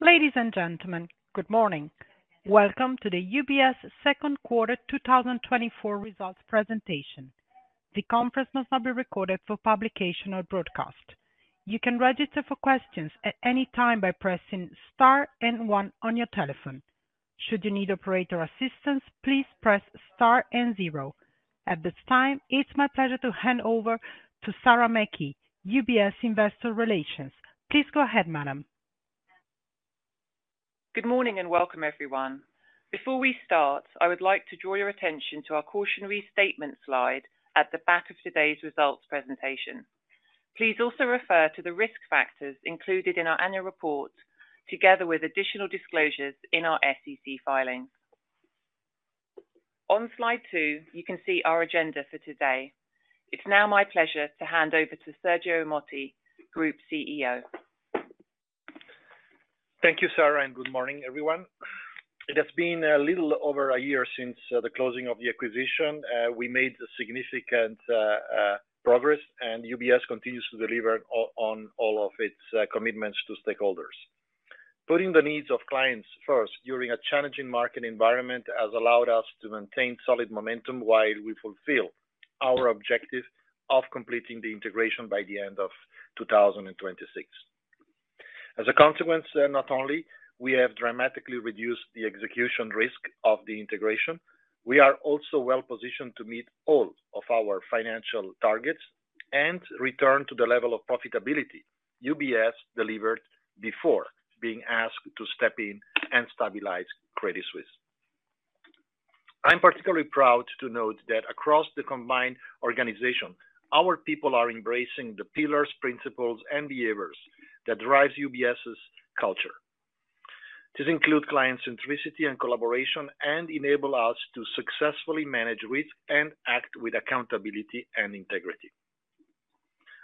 Ladies and gentlemen, good morning. Welcome to the UBS second quarter 2024 results presentation. The conference must not be recorded for publication or broadcast. You can register for questions at any time by pressing Star and One on your telephone. Should you need operator assistance, please press Star and Zero. At this time, it's my pleasure to hand over to Sarah Mackey, UBS Investor Relations. Please go ahead, madam. Good morning, and welcome, everyone. Before we start, I would like to draw your attention to our cautionary statement slide at the back of today's results presentation. Please also refer to the risk factors included in our annual report, together with additional disclosures in our SEC filings. On slide two, you can see our agenda for today. It's now my pleasure to hand over to Sergio Ermotti, Group CEO. Thank you, Sarah, and good morning, everyone. It has been a little over a year since the closing of the acquisition. We made significant progress, and UBS continues to deliver on all of its commitments to stakeholders. Putting the needs of clients first during a challenging market environment has allowed us to maintain solid momentum while we fulfill our objective of completing the integration by the end of 2026. As a consequence, not only we have dramatically reduced the execution risk of the integration, we are also well-positioned to meet all of our financial targets and return to the level of profitability UBS delivered before being asked to step in and stabilize Credit Suisse. I'm particularly proud to note that across the combined organization, our people are embracing the pillars, principles, and behaviors that drives UBS's culture. These include client centricity and collaboration and enable us to successfully manage risk and act with accountability and integrity.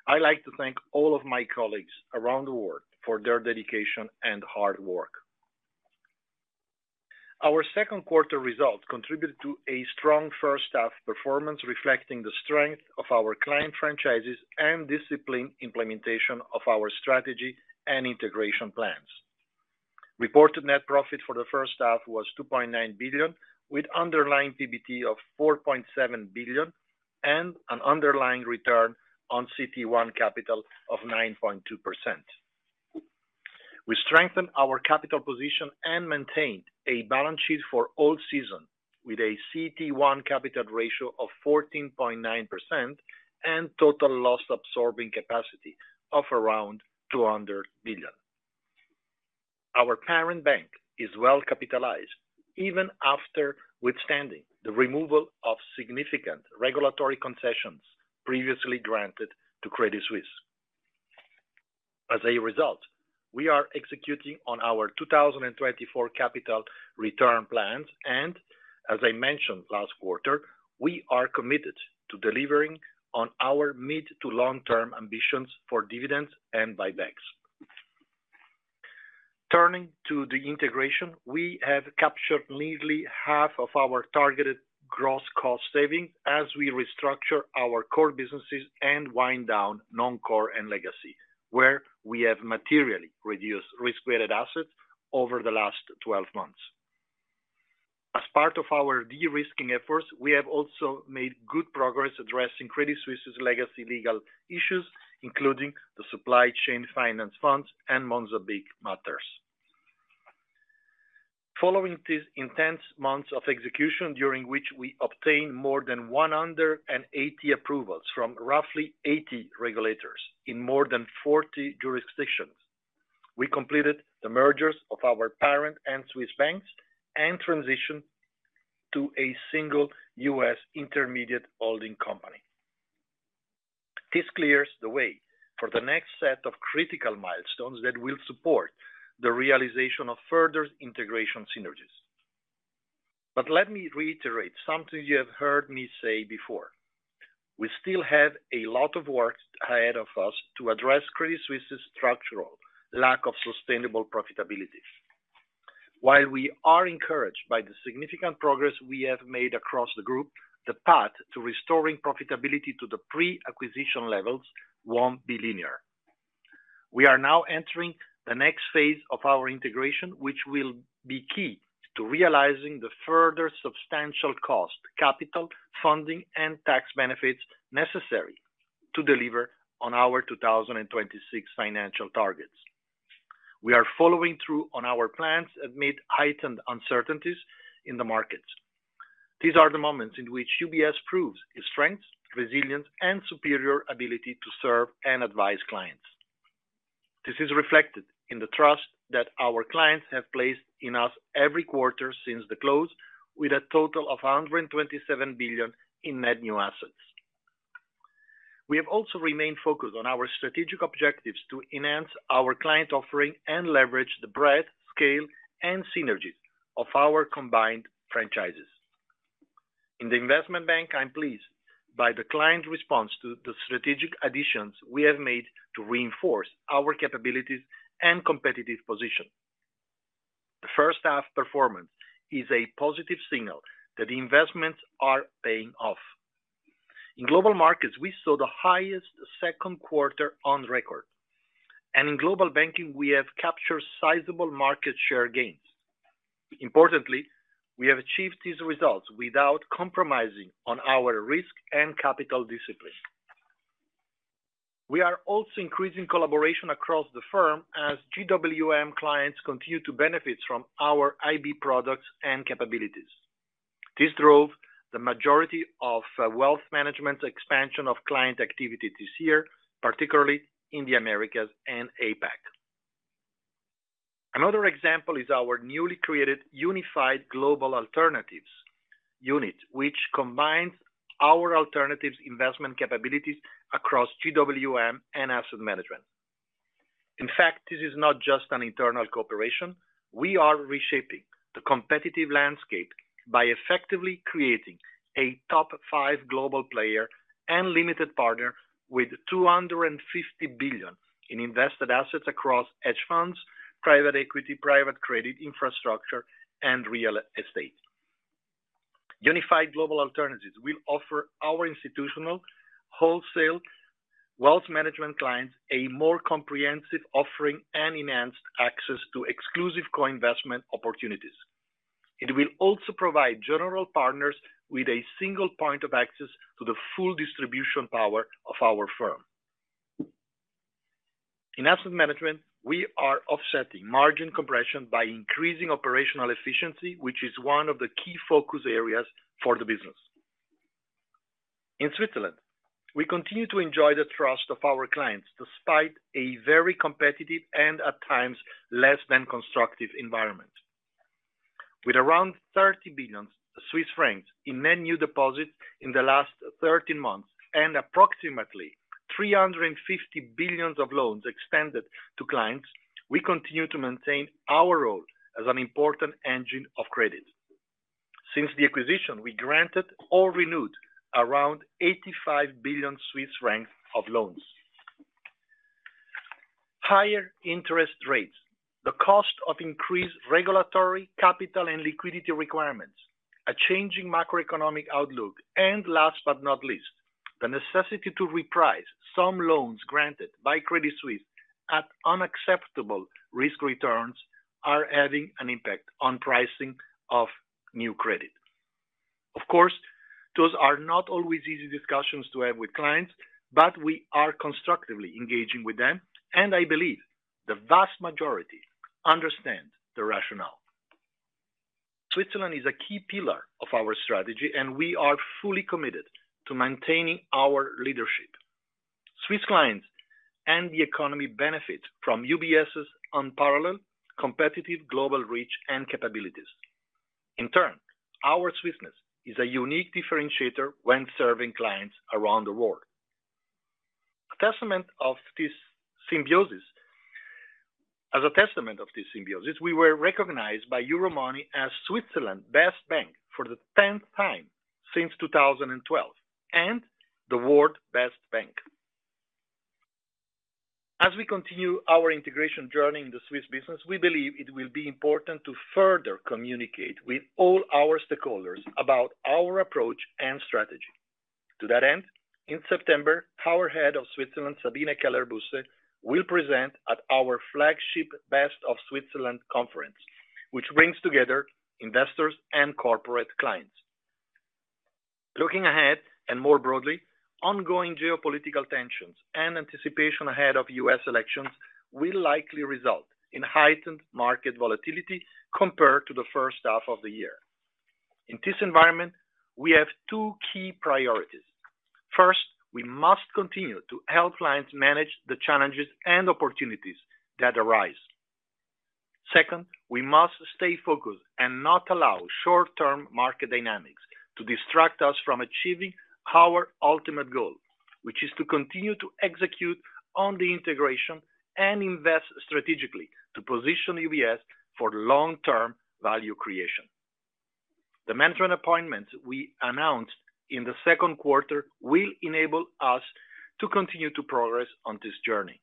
I'd like to thank all of my colleagues around the world for their dedication and hard work. Our second quarter results contributed to a strong first half performance, reflecting the strength of our client franchises and disciplined implementation of our strategy and integration plans. Reported net profit for the first half was 2.9 billion, with underlying PBT of 4.7 billion and an underlying return on CET1 capital of 9.2%. We strengthened our capital position and maintained a balance sheet for all seasons, with a CET1 capital ratio of 14.9% and total loss-absorbing capacity of around 200 billion. Our parent bank is well capitalized, even after withstanding the removal of significant regulatory concessions previously granted to Credit Suisse. As a result, we are executing on our 2024 capital return plans, and as I mentioned last quarter, we are committed to delivering on our mid- to long-term ambitions for dividends and buybacks. Turning to the integration, we have captured nearly half of our targeted gross cost savings as we restructure our core businesses and wind down Non-Core and Legacy, where we have materially reduced risk-weighted assets over the last 12 months. As part of our de-risking efforts, we have also made good progress addressing Credit Suisse's legacy legal issues, including the Supply Chain Finance Funds and Mozambique matters. Following these intense months of execution, during which we obtained more than 180 approvals from roughly 80 regulators in more than 40 jurisdictions, we completed the mergers of our parent and Swiss banks and transitioned to a single U.S. intermediate holding company. This clears the way for the next set of critical milestones that will support the realization of further integration synergies. But let me reiterate something you have heard me say before. We still have a lot of work ahead of us to address Credit Suisse's structural lack of sustainable profitability. While we are encouraged by the significant progress we have made across the group, the path to restoring profitability to the pre-acquisition levels won't be linear. We are now entering the next phase of our integration, which will be key to realizing the further substantial cost, capital, funding, and tax benefits necessary to deliver on our 2026 financial targets. We are following through on our plans amid heightened uncertainties in the markets. These are the moments in which UBS proves its strength, resilience, and superior ability to serve and advise clients. This is reflected in the trust that our clients have placed in us every quarter since the close, with a total of $127 billion in net new assets. We have also remained focused on our strategic objectives to enhance our client offering and leverage the breadth, scale, and synergies of our combined franchises. In the Investment Bank, I'm pleased by the client response to the strategic additions we have made to reinforce our capabilities and competitive position. First half performance is a positive signal that the investments are paying off. In Global Markets, we saw the highest second quarter on record, and in Global Banking, we have captured sizable market share gains. Importantly, we have achieved these results without compromising on our risk and capital discipline. We are also increasing collaboration across the firm as GWM clients continue to benefit from our IB products and capabilities. This drove the majority of wealth management expansion of client activity this year, particularly in the Americas and APAC. Another example is our newly created Unified Global Alternatives unit, which combines our alternatives investment capabilities across GWM and Asset Management. In fact, this is not just an internal cooperation. We are reshaping the competitive landscape by effectively creating a top five global player and limited partner with $250 billion in invested assets across hedge funds, private equity, private credit infrastructure, and real estate. Unified Global Alternatives will offer our institutional wholesale wealth management clients a more comprehensive offering and enhanced access to exclusive co-investment opportunities. It will also provide general partners with a single point of access to the full distribution power of our firm. In asset management, we are offsetting margin compression by increasing operational efficiency, which is one of the key focus areas for the business. In Switzerland, we continue to enjoy the trust of our clients despite a very competitive and at times, less than constructive environment. With around 30 billion Swiss francs in net new deposits in the last 13 months and approximately 350 billion of loans extended to clients, we continue to maintain our role as an important engine of credit. Since the acquisition, we granted or renewed around 85 billion Swiss francs of loans. Higher interest rates, the cost of increased regulatory capital and liquidity requirements, a changing macroeconomic outlook, and last but not least, the necessity to reprice some loans granted by Credit Suisse at unacceptable risk returns, are having an impact on pricing of new credit. Of course, those are not always easy discussions to have with clients, but we are constructively engaging with them, and I believe the vast majority understand the rationale. Switzerland is a key pillar of our strategy, and we are fully committed to maintaining our leadership. Swiss clients and the economy benefit from UBS's unparalleled competitive global reach and capabilities. In turn, our Swissness is a unique differentiator when serving clients around the world. A testament of this symbiosis—as a testament of this symbiosis, we were recognized by Euromoney as Switzerland's Best Bank for the tenth time since 2012, and the World's Best Bank. As we continue our integration journey in the Swiss business, we believe it will be important to further communicate with all our stakeholders about our approach and strategy. To that end, in September, our Head of Switzerland, Sabine Keller-Busse, will present at our flagship Best of Switzerland Conference, which brings together investors and corporate clients. Looking ahead, and more broadly, ongoing geopolitical tensions and anticipation ahead of U.S. elections will likely result in heightened market volatility compared to the first half of the year. In this environment, we have two key priorities. First, we must continue to help clients manage the challenges and opportunities that arise. Second, we must stay focused and not allow short-term market dynamics to distract us from achieving our ultimate goal, which is to continue to execute on the integration and invest strategically to position UBS for long-term value creation. The management appointments we announced in the second quarter will enable us to continue to progress on this journey.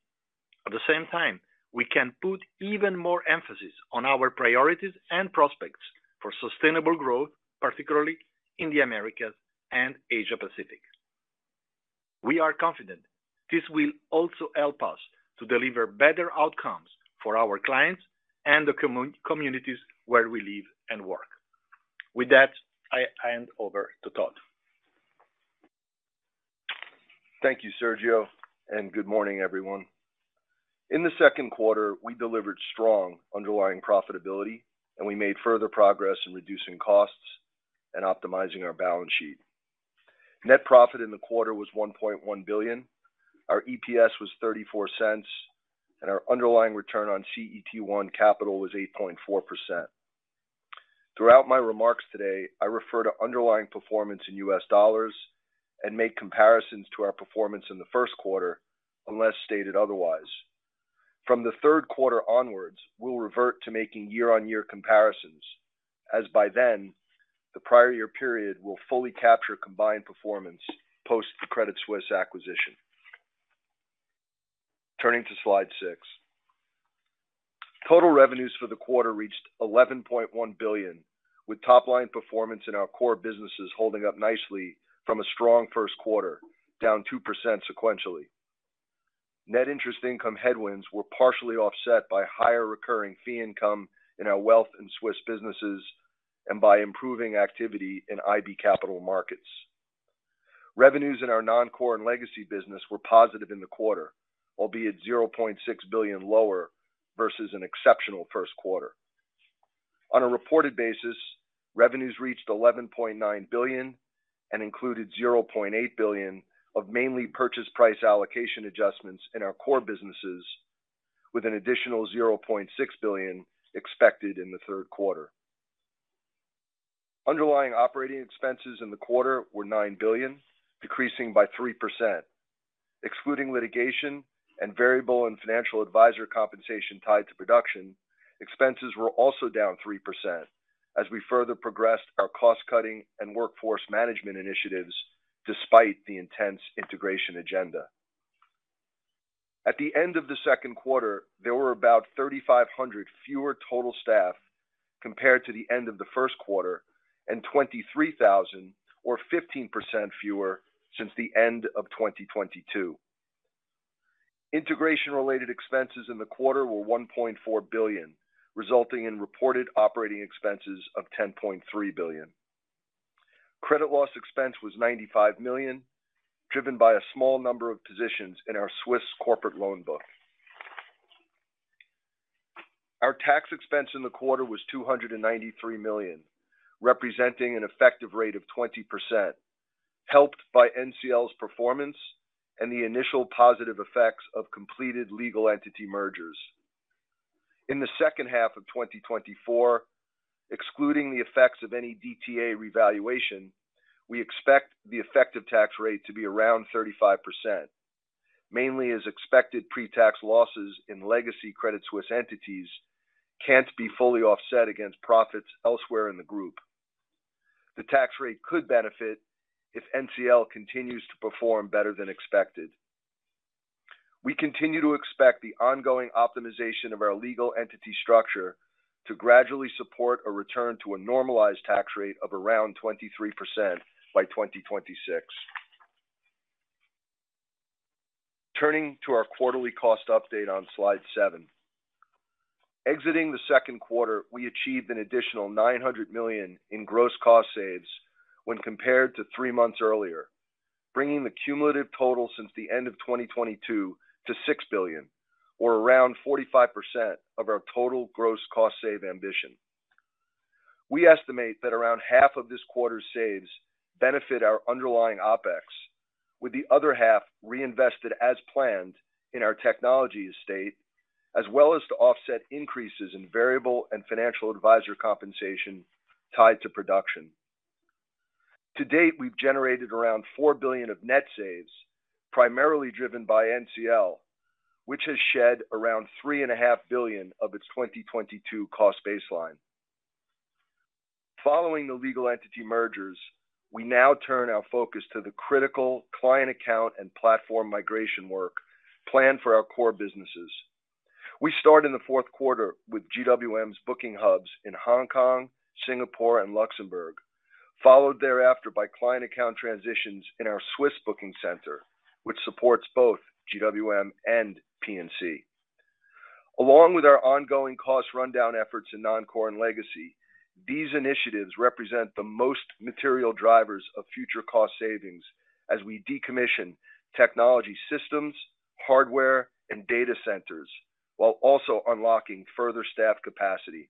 At the same time, we can put even more emphasis on our priorities and prospects for sustainable growth, particularly in the Americas and Asia Pacific. We are confident this will also help us to deliver better outcomes for our clients and the communities where we live and work. With that, I hand over to Todd. Thank you, Sergio, and good morning, everyone. In the second quarter, we delivered strong underlying profitability, and we made further progress in reducing costs and optimizing our balance sheet. Net profit in the quarter was 1.1 billion, our EPS was $0.34, and our underlying return on CET1 capital was 8.4%. Throughout my remarks today, I refer to underlying performance in U.S. dollars and make comparisons to our performance in the first quarter, unless stated otherwise. From the third quarter onward, we'll revert to making year-on-year comparisons, as by then, the prior year period will fully capture combined performance post the Credit Suisse acquisition.... Turning to Slide 6. Total revenues for the quarter reached $11.1 billion, with top-line performance in our core businesses holding up nicely from a strong first quarter, down 2% sequentially. Net interest income headwinds were partially offset by higher recurring fee income in our wealth and Swiss businesses, and by improving activity in IB capital markets. Revenues in our non-core and legacy business were positive in the quarter, albeit 0.6 billion lower versus an exceptional first quarter. On a reported basis, revenues reached 11.9 billion and included 0.8 billion of mainly purchase price allocation adjustments in our core businesses, with an additional 0.6 billion expected in the third quarter. Underlying operating expenses in the quarter were 9 billion, decreasing by 3%. Excluding litigation and variable and financial advisor compensation tied to production, expenses were also down 3% as we further progressed our cost-cutting and workforce management initiatives, despite the intense integration agenda. At the end of the second quarter, there were about 3,500 fewer total staff compared to the end of the first quarter, and 23,000 or 15% fewer since the end of 2022. Integration-related expenses in the quarter were 1.4 billion, resulting in reported operating expenses of 10.3 billion. Credit loss expense was 95 million, driven by a small number of positions in our Swiss corporate loan book. Our tax expense in the quarter was 293 million, representing an effective rate of 20%, helped by NCL's performance and the initial positive effects of completed legal entity mergers. In the second half of 2024, excluding the effects of any DTA revaluation, we expect the effective tax rate to be around 35%, mainly as expected pre-tax losses in legacy Credit Suisse entities can't be fully offset against profits elsewhere in the group. The tax rate could benefit if NCL continues to perform better than expected. We continue to expect the ongoing optimization of our legal entity structure to gradually support a return to a normalized tax rate of around 23% by 2026. Turning to our quarterly cost update on Slide 7. Exiting the second quarter, we achieved an additional 900 million in gross cost saves when compared to three months earlier, bringing the cumulative total since the end of 2022 to 6 billion, or around 45% of our total gross cost save ambition. We estimate that around half of this quarter's saves benefit our underlying OpEx, with the other half reinvested as planned in our technology estate, as well as to offset increases in variable and financial advisor compensation tied to production. To date, we've generated around 4 billion of net saves, primarily driven by NCL, which has shed around 3.5 billion of its 2022 cost baseline. Following the legal entity mergers, we now turn our focus to the critical client account and platform migration work planned for our core businesses. We start in the fourth quarter with GWM's booking hubs in Hong Kong, Singapore, and Luxembourg, followed thereafter by client account transitions in our Swiss booking center, which supports both GWM and P&C. Along with our ongoing cost rundown efforts in non-core and legacy, these initiatives represent the most material drivers of future cost savings as we decommission technology systems, hardware, and data centers, while also unlocking further staff capacity.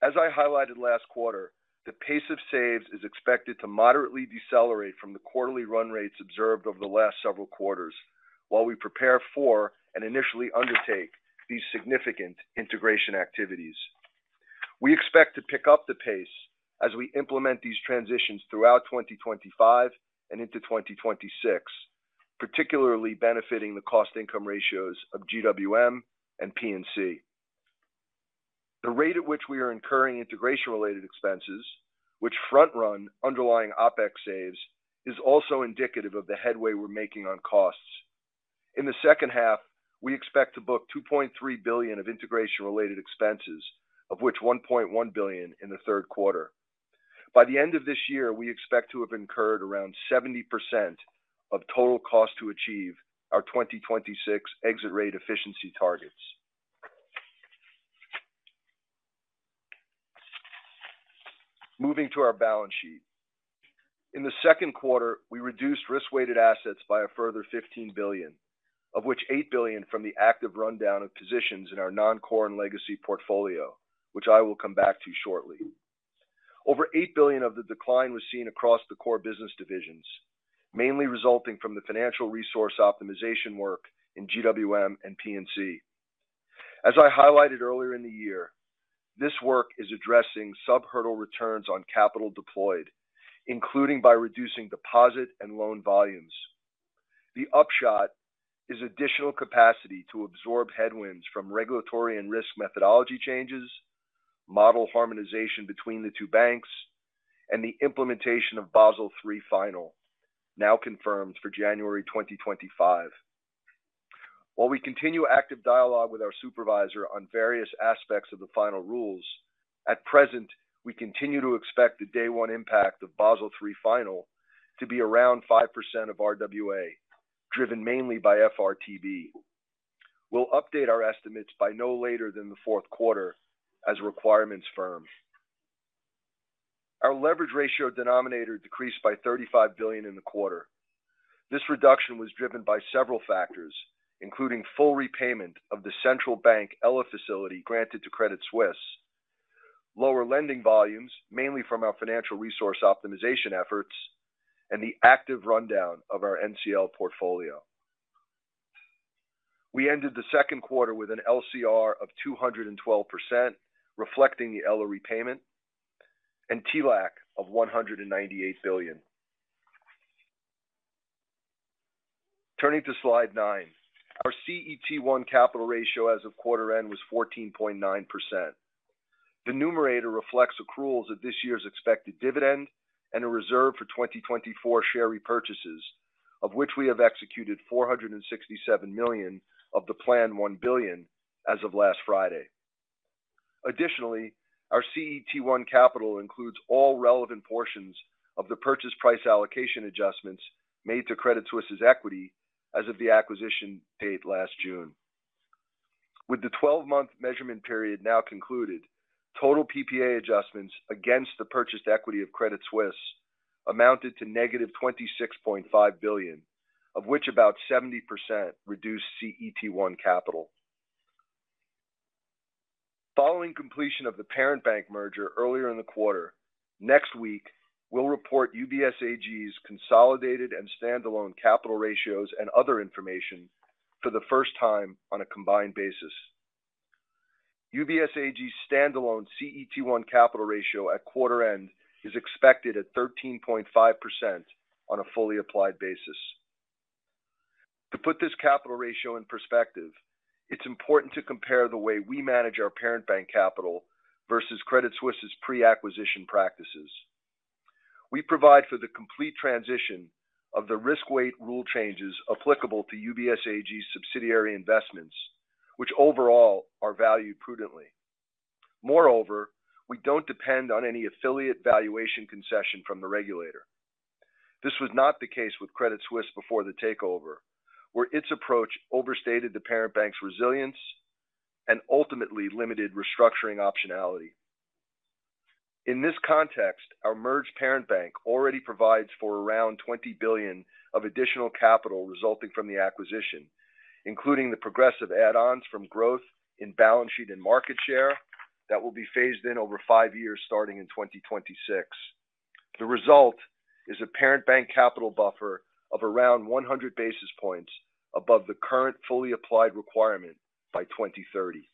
As I highlighted last quarter, the pace of saves is expected to moderately decelerate from the quarterly run rates observed over the last several quarters, while we prepare for and initially undertake these significant integration activities. We expect to pick up the pace as we implement these transitions throughout 2025 and into 2026, particularly benefiting the cost-income ratios of GWM and P&C. The rate at which we are incurring integration-related expenses, which front run underlying OpEx saves, is also indicative of the headway we're making on costs. In the second half, we expect to book 2.3 billion of integration-related expenses, of which 1.1 billion in the third quarter. By the end of this year, we expect to have incurred around 70% of total cost to achieve our 2026 exit rate efficiency targets. Moving to our balance sheet. In the second quarter, we reduced risk-weighted assets by a further 15 billion, of which 8 billion from the active rundown of positions in our non-core and legacy portfolio, which I will come back to shortly. Over 8 billion of the decline was seen across the core business divisions, mainly resulting from the financial resource optimization work in GWM and P&C. As I highlighted earlier in the year, this work is addressing sub-hurdle returns on capital deployed, including by reducing deposit and loan volumes. The upshot is additional capacity to absorb headwinds from regulatory and risk methodology changes, model harmonization between the two banks, and the implementation of Basel III Final, now confirmed for January 2025. While we continue active dialogue with our supervisor on various aspects of the final rules, at present, we continue to expect the day one impact of Basel III Final to be around 5% of RWA, driven mainly by FRTB. We'll update our estimates by no later than the fourth quarter as requirements firm. Our leverage ratio denominator decreased by 35 billion in the quarter. This reduction was driven by several factors, including full repayment of the central bank ELA facility granted to Credit Suisse, lower lending volumes, mainly from our financial resource optimization efforts, and the active rundown of our NCL portfolio. We ended the second quarter with an LCR of 212%, reflecting the ELA repayment, and TLAC of CHF 198 billion. Turning to Slide 9. Our CET1 capital ratio as of quarter end was 14.9%. The numerator reflects accruals of this year's expected dividend and a reserve for 2024 share repurchases, of which we have executed 467 million of the planned 1 billion as of last Friday. Additionally, our CET1 capital includes all relevant portions of the purchase price allocation adjustments made to Credit Suisse's equity as of the acquisition date last June. With the 12-month measurement period now concluded, total PPA adjustments against the purchased equity of Credit Suisse amounted to -26.5 billion, of which about 70% reduced CET1 capital. Following completion of the parent bank merger earlier in the quarter, next week, we'll report UBS AG's consolidated and stand-alone capital ratios and other information for the first time on a combined basis. UBS AG's stand-alone CET1 capital ratio at quarter end is expected at 13.5% on a fully applied basis. To put this capital ratio in perspective, it's important to compare the way we manage our parent bank capital versus Credit Suisse's pre-acquisition practices. We provide for the complete transition of the risk weight rule changes applicable to UBS AG's subsidiary investments, which overall are valued prudently. Moreover, we don't depend on any affiliate valuation concession from the regulator. This was not the case with Credit Suisse before the takeover, where its approach overstated the parent bank's resilience and ultimately limited restructuring optionality. In this context, our merged parent bank already provides for around 20 billion of additional capital resulting from the acquisition, including the progressive add-ons from growth in balance sheet and market share that will be phased in over 5 years, starting in 2026. The result is a parent bank capital buffer of around 100 basis points above the current fully applied requirement by 2030.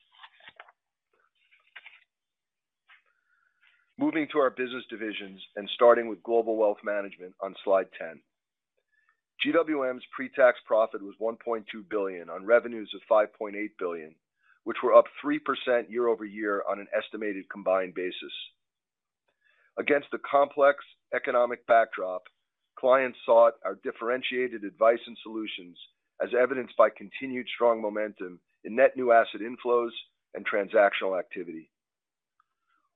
Moving to our business divisions and starting with Global Wealth Management on Slide 10. GWM's pre-tax profit was 1.2 billion on revenues of 5.8 billion, which were up 3% year-over-year on an estimated combined basis. Against a complex economic backdrop, clients sought our differentiated advice and solutions, as evidenced by continued strong momentum in net new asset inflows and transactional activity.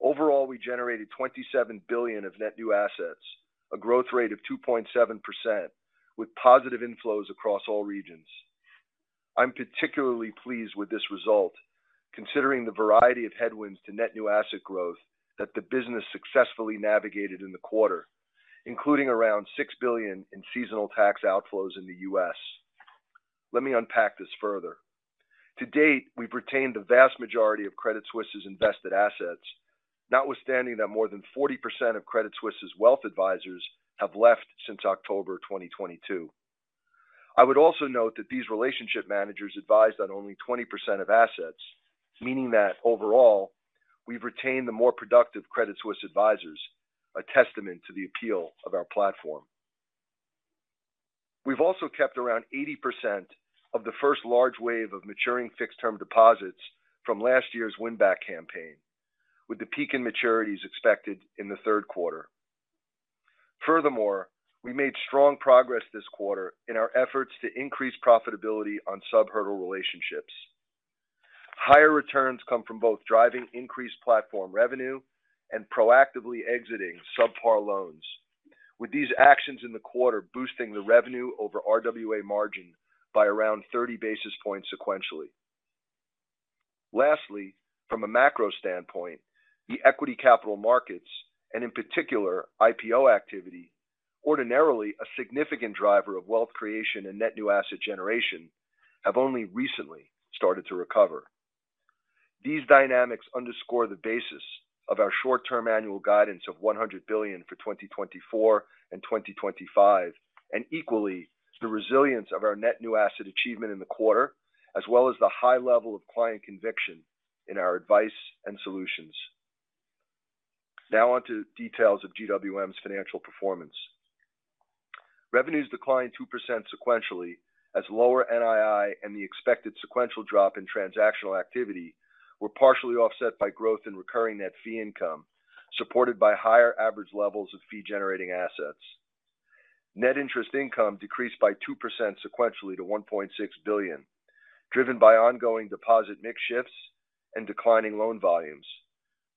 Overall, we generated $27 billion of net new assets, a growth rate of 2.7%, with positive inflows across all regions. I'm particularly pleased with this result, considering the variety of headwinds to net new asset growth that the business successfully navigated in the quarter, including around $6 billion in seasonal tax outflows in the U.S. Let me unpack this further. To date, we've retained the vast majority of Credit Suisse's invested assets, notwithstanding that more than 40% of Credit Suisse's wealth advisors have left since October 2022. I would also note that these relationship managers advised on only 20% of assets, meaning that overall, we've retained the more productive Credit Suisse advisors, a testament to the appeal of our platform. We've also kept around 80% of the first large wave of maturing fixed-term deposits from last year's win-back campaign, with the peak in maturities expected in the third quarter. Furthermore, we made strong progress this quarter in our efforts to increase profitability on sub-hurdle relationships. Higher returns come from both driving increased platform revenue and proactively exiting subpar loans. With these actions in the quarter, boosting the revenue over RWA margin by around 30 basis points sequentially. Lastly, from a macro standpoint, the equity capital markets, and in particular, IPO activity, ordinarily a significant driver of wealth creation and net new asset generation, have only recently started to recover. These dynamics underscore the basis of our short-term annual guidance of 100 billion for 2024 and 2025, and equally, the resilience of our net new asset achievement in the quarter, as well as the high level of client conviction in our advice and solutions. Now on to details of GWM's financial performance. Revenues declined 2% sequentially, as lower NII and the expected sequential drop in transactional activity were partially offset by growth in recurring net fee income, supported by higher average levels of fee-generating assets. Net interest income decreased by 2% sequentially to 1.6 billion, driven by ongoing deposit mix shifts and declining loan volumes,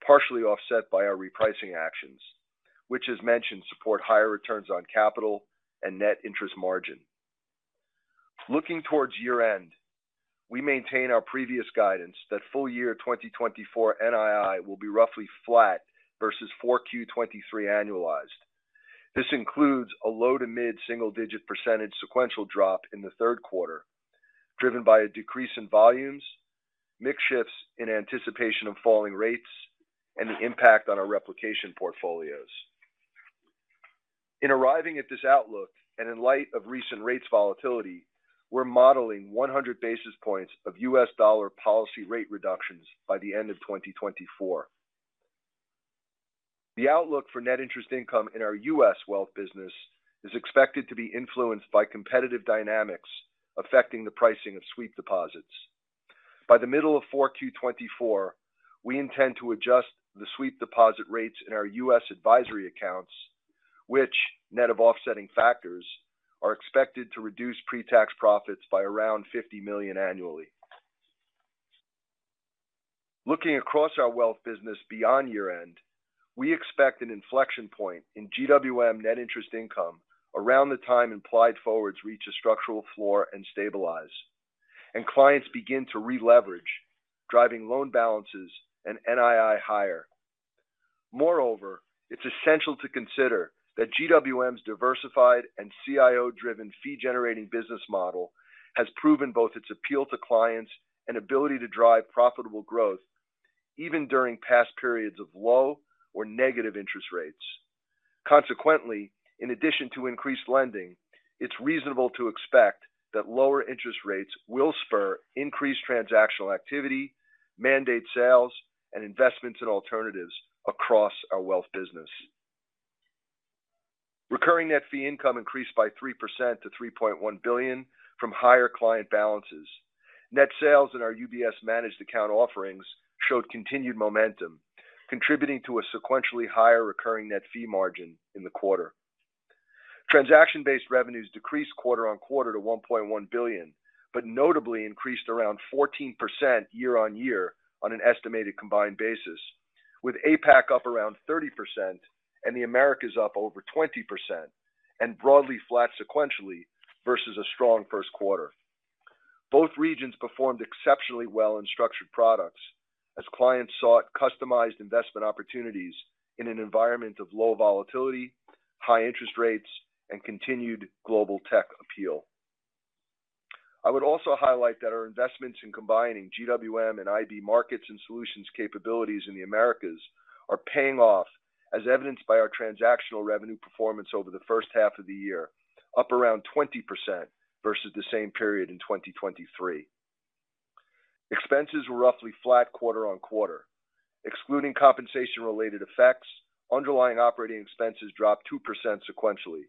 partially offset by our repricing actions, which as mentioned, support higher returns on capital and net interest margin. Looking towards year-end, we maintain our previous guidance that full year 2024 NII will be roughly flat versus 4Q 2023 annualized. This includes a low- to mid-single-digit % sequential drop in the third quarter, driven by a decrease in volumes, mix shifts in anticipation of falling rates, and the impact on our replication portfolios. In arriving at this outlook, and in light of recent rates volatility, we're modeling 100 basis points of U.S. dollar policy rate reductions by the end of 2024. The outlook for net interest income in our U.S. wealth business is expected to be influenced by competitive dynamics affecting the pricing of sweep deposits. By the middle of 4Q 2024, we intend to adjust the sweep deposit rates in our U.S. advisory accounts, which, net of offsetting factors, are expected to reduce pretax profits by around $50 million annually. Looking across our wealth business beyond year-end, we expect an inflection point in GWM net interest income around the time implied forwards reach a structural floor and stabilize, and clients begin to releverage, driving loan balances and NII higher. Moreover, it's essential to consider that GWM's diversified and CIO-driven fee-generating business model has proven both its appeal to clients and ability to drive profitable growth even during past periods of low or negative interest rates. Consequently, in addition to increased lending, it's reasonable to expect that lower interest rates will spur increased transactional activity, mandate sales, and investments in alternatives across our wealth business. Recurring net fee income increased by 3% to 3.1 billion from higher client balances. Net sales in our UBS managed account offerings showed continued momentum, contributing to a sequentially higher recurring net fee margin in the quarter. Transaction-based revenues decreased quarter-on-quarter to $1.1 billion, but notably increased around 14% year-on-year on an estimated combined basis, with APAC up around 30% and the Americas up over 20% and broadly flat sequentially versus a strong first quarter. Both regions performed exceptionally well in structured products as clients sought customized investment opportunities in an environment of low volatility, high interest rates, and continued global tech appeal. I would also highlight that our investments in combining GWM and IB markets and solutions capabilities in the Americas are paying off, as evidenced by our transactional revenue performance over the first half of the year, up around 20% versus the same period in 2023. Expenses were roughly flat quarter-on-quarter. Excluding compensation-related effects, underlying operating expenses dropped 2% sequentially.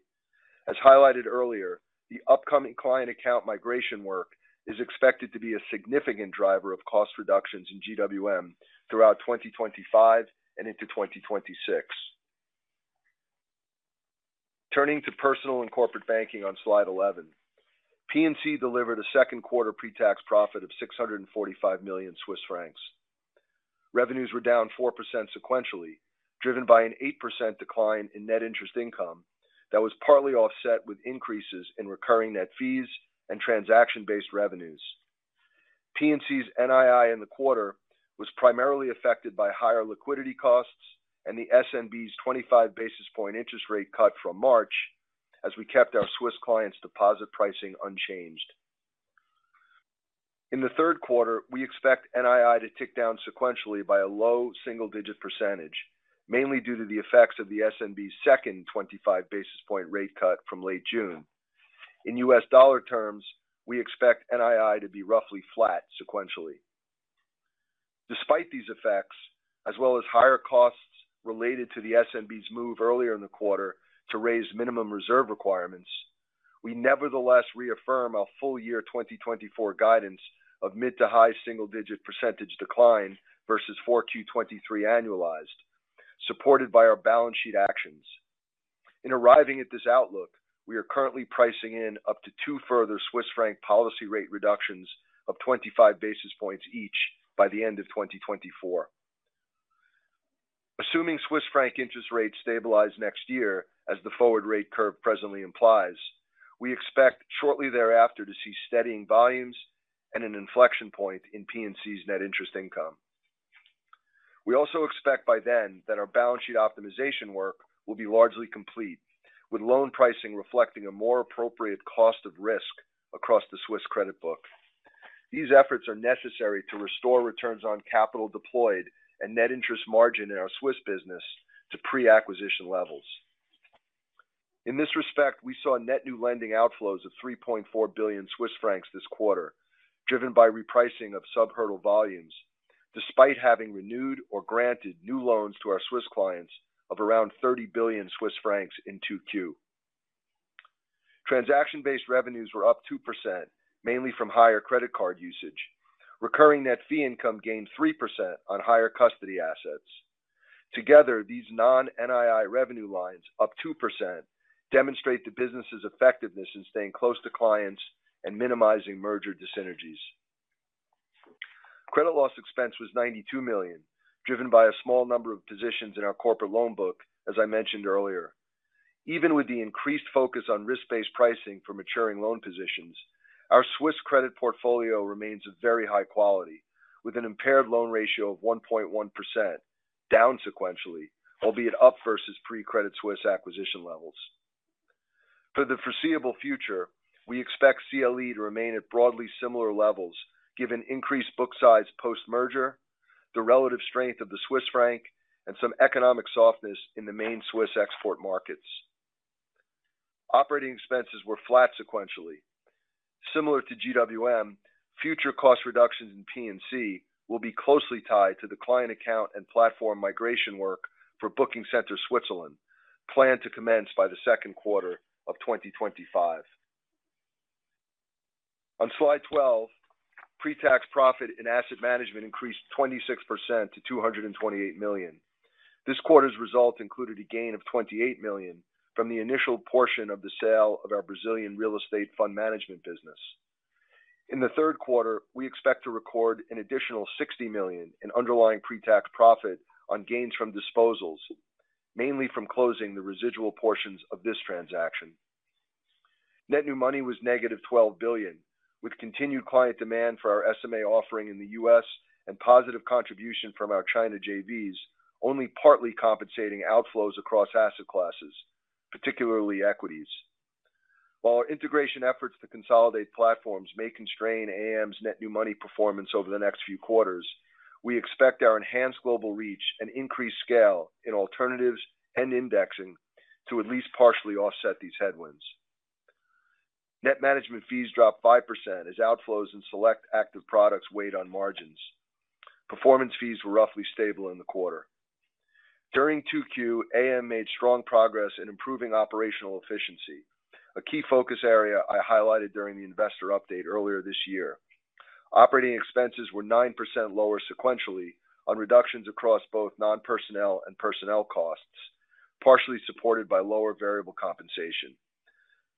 As highlighted earlier, the upcoming client account migration work is expected to be a significant driver of cost reductions in GWM throughout 2025 and into 2026. Turning to personal and corporate banking on slide 11. P&C delivered a second quarter pretax profit of 645 million Swiss francs. Revenues were down 4% sequentially, driven by an 8% decline in net interest income that was partly offset with increases in recurring net fees and transaction-based revenues. P&C's NII in the quarter was primarily affected by higher liquidity costs and the SNB's 25 basis point interest rate cut from March, as we kept our Swiss clients' deposit pricing unchanged. In the third quarter, we expect NII to tick down sequentially by a low single-digit %, mainly due to the effects of the SNB's second 25 basis point rate cut from late June. In U.S. dollar terms, we expect NII to be roughly flat sequentially. Despite these effects, as well as higher costs related to the SNB's move earlier in the quarter to raise minimum reserve requirements, we nevertheless reaffirm our full year 2024 guidance of mid- to high single-digit % decline versus 4Q 2023 annualized, supported by our balance sheet actions. In arriving at this outlook, we are currently pricing in up to 2 further Swiss franc policy rate reductions of 25 basis points each by the end of 2024. Assuming Swiss franc interest rates stabilize next year, as the forward rate curve presently implies, we expect shortly thereafter to see steadying volumes and an inflection point in P&C's net interest income. We also expect by then that our balance sheet optimization work will be largely complete, with loan pricing reflecting a more appropriate cost of risk across the Swiss credit book. These efforts are necessary to restore returns on capital deployed and net interest margin in our Swiss business to pre-acquisition levels. In this respect, we saw net new lending outflows of 3.4 billion Swiss francs this quarter, driven by repricing of sub-hurdle volumes.... despite having renewed or granted new loans to our Swiss clients of around 30 billion Swiss francs in 2Q. Transaction-based revenues were up 2%, mainly from higher credit card usage. Recurring net fee income gained 3% on higher custody assets. Together, these non-NII revenue lines, up 2%, demonstrate the business's effectiveness in staying close to clients and minimizing merger dis-synergies. Credit loss expense was 92 million, driven by a small number of positions in our corporate loan book, as I mentioned earlier. Even with the increased focus on risk-based pricing for maturing loan positions, our Swiss credit portfolio remains of very high quality, with an impaired loan ratio of 1.1%, down sequentially, albeit up versus pre-Credit Suisse acquisition levels. For the foreseeable future, we expect CLE to remain at broadly similar levels, given increased book size post-merger, the relative strength of the Swiss franc, and some economic softness in the main Swiss export markets. Operating expenses were flat sequentially. Similar to GWM, future cost reductions in P&C will be closely tied to the client account and platform migration work for Booking Center Switzerland, planned to commence by the second quarter of 2025. On Slide 12, pretax profit in Asset Management increased 26% to 228 million. This quarter's result included a gain of 28 million from the initial portion of the sale of our Brazilian real estate fund management business. In the third quarter, we expect to record an additional 60 million in underlying pretax profit on gains from disposals, mainly from closing the residual portions of this transaction. Net new money was -12 billion, with continued client demand for our SMA offering in the U.S. and positive contribution from our China JVs, only partly compensating outflows across asset classes, particularly equities. While our integration efforts to consolidate platforms may constrain AM's net new money performance over the next few quarters, we expect our enhanced global reach and increased scale in alternatives and indexing to at least partially offset these headwinds. Net management fees dropped 5% as outflows in select active products weighed on margins. Performance fees were roughly stable in the quarter. During 2Q, AM made strong progress in improving operational efficiency, a key focus area I highlighted during the investor update earlier this year. Operating expenses were 9% lower sequentially on reductions across both non-personnel and personnel costs, partially supported by lower variable compensation.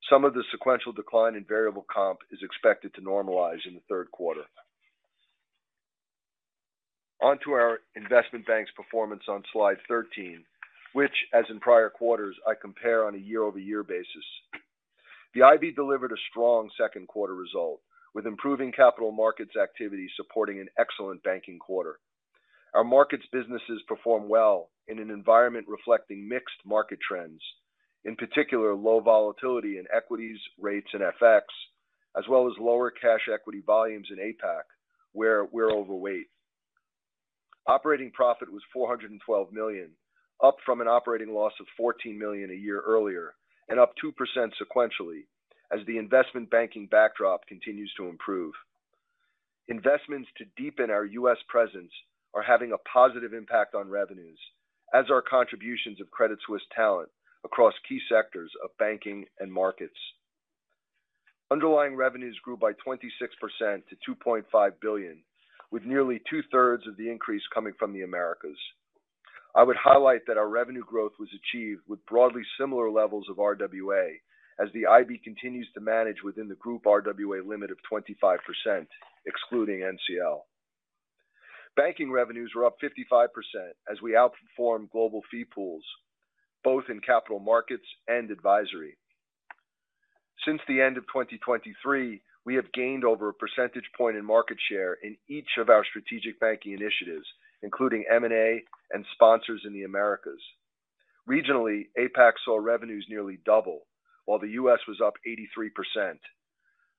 Some of the sequential decline in variable comp is expected to normalize in the third quarter. On to our investment bank's performance on Slide 13, which, as in prior quarters, I compare on a year-over-year basis. The IB delivered a strong second quarter result, with improving capital markets activity supporting an excellent banking quarter. Our markets businesses perform well in an environment reflecting mixed market trends, in particular, low volatility in equities, rates, and FX, as well as lower cash equity volumes in APAC, where we're overweight. Operating profit was 412 million, up from an operating loss of 14 million a year earlier, and up 2% sequentially, as the investment banking backdrop continues to improve. Investments to deepen our U.S. presence are having a positive impact on revenues, as are contributions of Credit Suisse talent across key sectors of banking and markets. Underlying revenues grew by 26% to 2.5 billion, with nearly two-thirds of the increase coming from the Americas. I would highlight that our revenue growth was achieved with broadly similar levels of RWA, as the IB continues to manage within the Group RWA limit of 25%, excluding NCL. Banking revenues were up 55% as we outperformed global fee pools, both in capital markets and advisory. Since the end of 2023, we have gained over a percentage point in market share in each of our strategic banking initiatives, including M&A and sponsors in the Americas. Regionally, APAC saw revenues nearly double, while the U.S. was up 83%.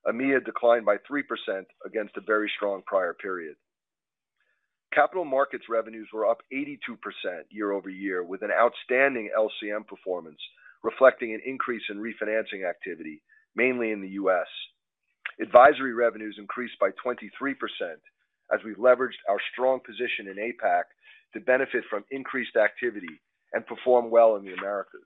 EMEA declined by 3% against a very strong prior period. Capital markets revenues were up 82% year-over-year, with an outstanding LCM performance, reflecting an increase in refinancing activity, mainly in the U.S. Advisory revenues increased by 23% as we leveraged our strong position in APAC to benefit from increased activity and perform well in the Americas.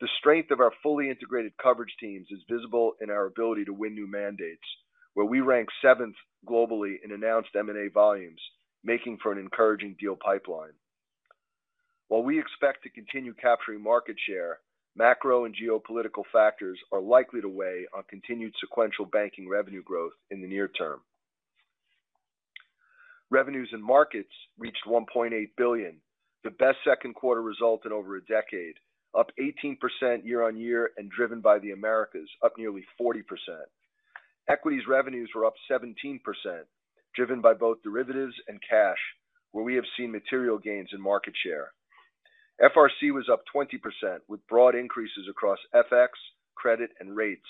The strength of our fully integrated coverage teams is visible in our ability to win new mandates, where we rank seventh globally in announced M&A volumes, making for an encouraging deal pipeline. While we expect to continue capturing market share, macro and geopolitical factors are likely to weigh on continued sequential banking revenue growth in the near term. Revenues in markets reached $1.8 billion, the best second quarter result in over a decade, up 18% year-on-year and driven by the Americas, up nearly 40%. Equities revenues were up 17%, driven by both derivatives and cash, where we have seen material gains in market share. FRC was up 20%, with broad increases across FX, credit, and rates,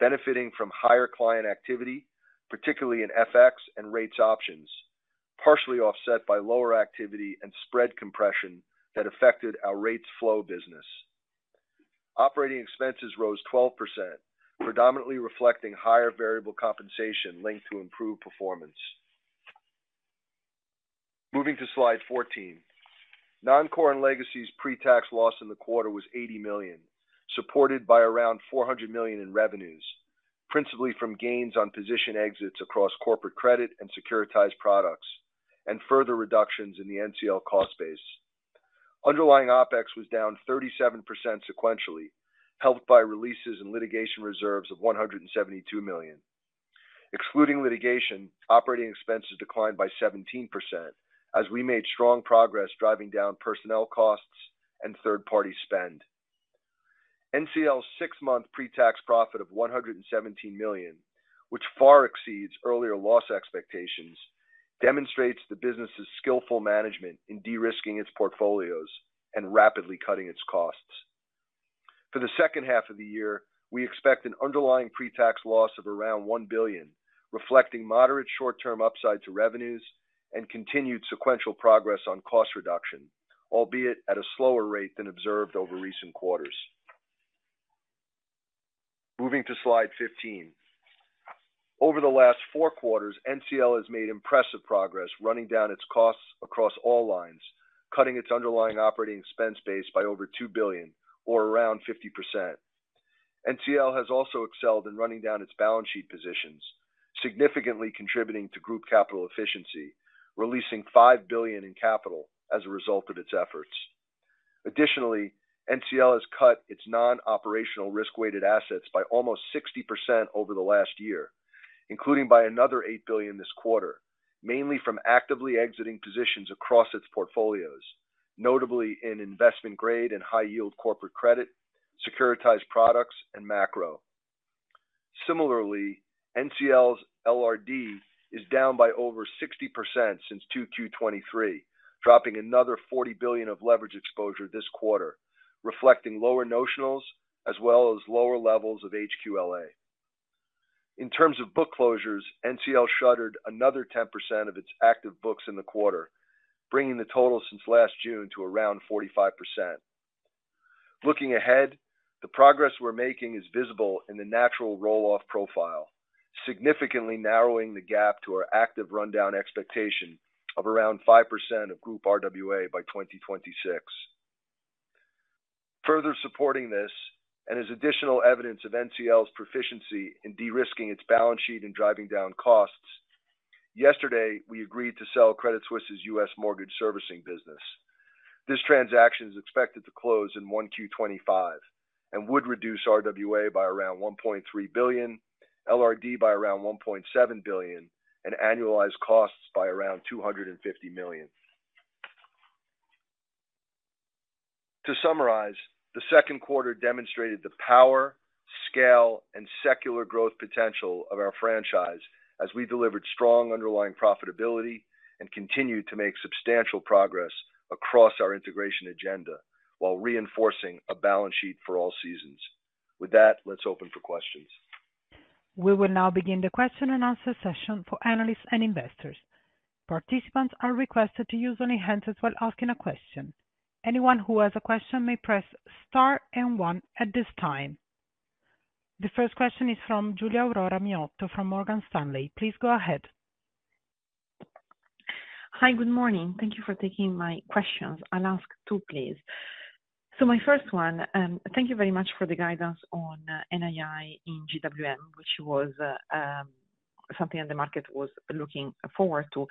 benefiting from higher client activity, particularly in FX and rates options, partially offset by lower activity and spread compression that affected our rates flow business.... Operating expenses rose 12%, predominantly reflecting higher variable compensation linked to improved performance. Moving to Slide 14. Non-Core and Legacy's pretax loss in the quarter was 80 million, supported by around 400 million in revenues, principally from gains on position exits across corporate credit and securitized products, and further reductions in the NCL cost base. Underlying OpEx was down 37% sequentially, helped by releases in litigation reserves of 172 million. Excluding litigation, operating expenses declined by 17% as we made strong progress driving down personnel costs and third-party spend. NCL's six-month pretax profit of CHF 117 million, which far exceeds earlier loss expectations, demonstrates the business's skillful management in de-risking its portfolios and rapidly cutting its costs. For the second half of the year, we expect an underlying pretax loss of around 1 billion, reflecting moderate short-term upside to revenues and continued sequential progress on cost reduction, albeit at a slower rate than observed over recent quarters. Moving to Slide 15. Over the last four quarters, NCL has made impressive progress, running down its costs across all lines, cutting its underlying operating expense base by over 2 billion or around 50%. NCL has also excelled in running down its balance sheet positions, significantly contributing to group capital efficiency, releasing 5 billion in capital as a result of its efforts. Additionally, NCL has cut its non-operational risk-weighted assets by almost 60% over the last year, including by another 8 billion this quarter, mainly from actively exiting positions across its portfolios, notably in investment-grade and high-yield corporate credit, securitized products, and macro. Similarly, NCL's LRD is down by over 60% since 2Q 2023, dropping another $40 billion of leverage exposure this quarter, reflecting lower notionals as well as lower levels of HQLA. In terms of book closures, NCL shuttered another 10% of its active books in the quarter, bringing the total since last June to around 45%. Looking ahead, the progress we're making is visible in the natural roll-off profile, significantly narrowing the gap to our active rundown expectation of around 5% of Group RWA by 2026. Further supporting this, and as additional evidence of NCL's proficiency in de-risking its balance sheet and driving down costs, yesterday, we agreed to sell Credit Suisse's U.S. mortgage servicing business. This transaction is expected to close in 1Q25 and would reduce RWA by around 1.3 billion, LRD by around 1.7 billion, and annualized costs by around 250 million. To summarize, the second quarter demonstrated the power, scale, and secular growth potential of our franchise as we delivered strong underlying profitability and continued to make substantial progress across our integration agenda while reinforcing a balance sheet for all seasons. With that, let's open for questions. We will now begin the question-and-answer session for analysts and investors. Participants are requested to use only handsets while asking a question. Anyone who has a question may press star and one at this time. The first question is from Giulia Aurora Miotto from Morgan Stanley. Please go ahead. Hi, good morning. Thank you for taking my questions. I'll ask two, please. So my first one, thank you very much for the guidance on NII in GWM, which was something that the market was looking forward to.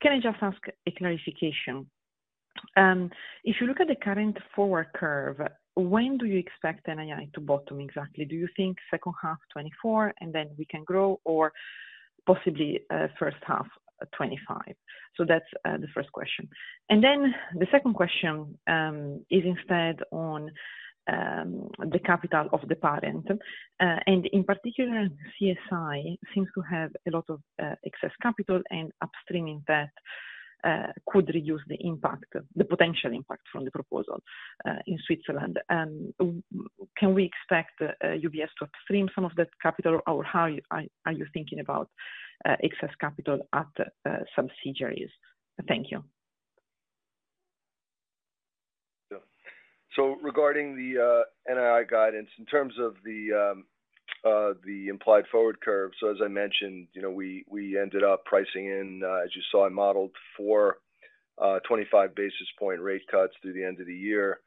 Can I just ask a clarification? If you look at the current forward curve, when do you expect NII to bottom exactly? Do you think second half 2024, and then we can grow, or possibly first half 2025? So that's the first question. And then the second question is instead on the capital of the parent, and in particular, CSI seems to have a lot of excess capital and upstreaming debt could reduce the impact, the potential impact from the proposal in Switzerland. Can we expect UBS to upstream some of that capital, or how are you thinking about excess capital at some synergies? Thank you. So, regarding the NII guidance, in terms of the implied forward curve, so as I mentioned, you know, we ended up pricing in, as you saw, I modeled four 25 basis point rate cuts through the end of the year.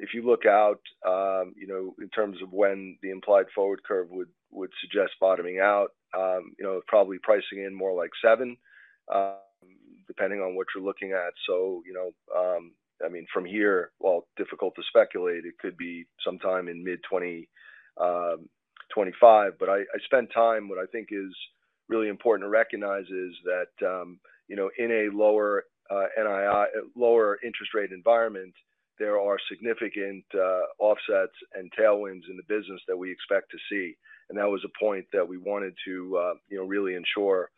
If you look out, you know, in terms of when the implied forward curve would suggest bottoming out, you know, probably pricing in more like seven, depending on what you're looking at. So, you know, I mean, from here, while difficult to speculate, it could be sometime in mid-2025. But I spent time. What I think is really important to recognize is that, you know, in a lower NII—lower interest rate environment, there are significant offsets and tailwinds in the business that we expect to see. That was a point that we wanted to, you know, really ensure,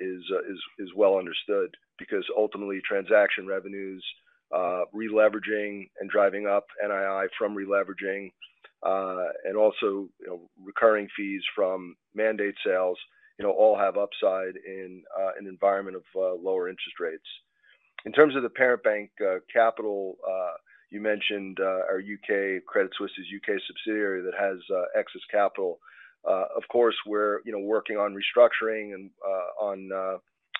is well understood. Because ultimately, transaction revenues, re-leveraging and driving up NII from re-leveraging, and also, you know, recurring fees from mandate sales, you know, all have upside in, an environment of, lower interest rates.... In terms of the parent bank, capital, you mentioned, our U.K., Credit Suisse's U.K. subsidiary that has, excess capital. Of course, we're, you know, working on restructuring and, on,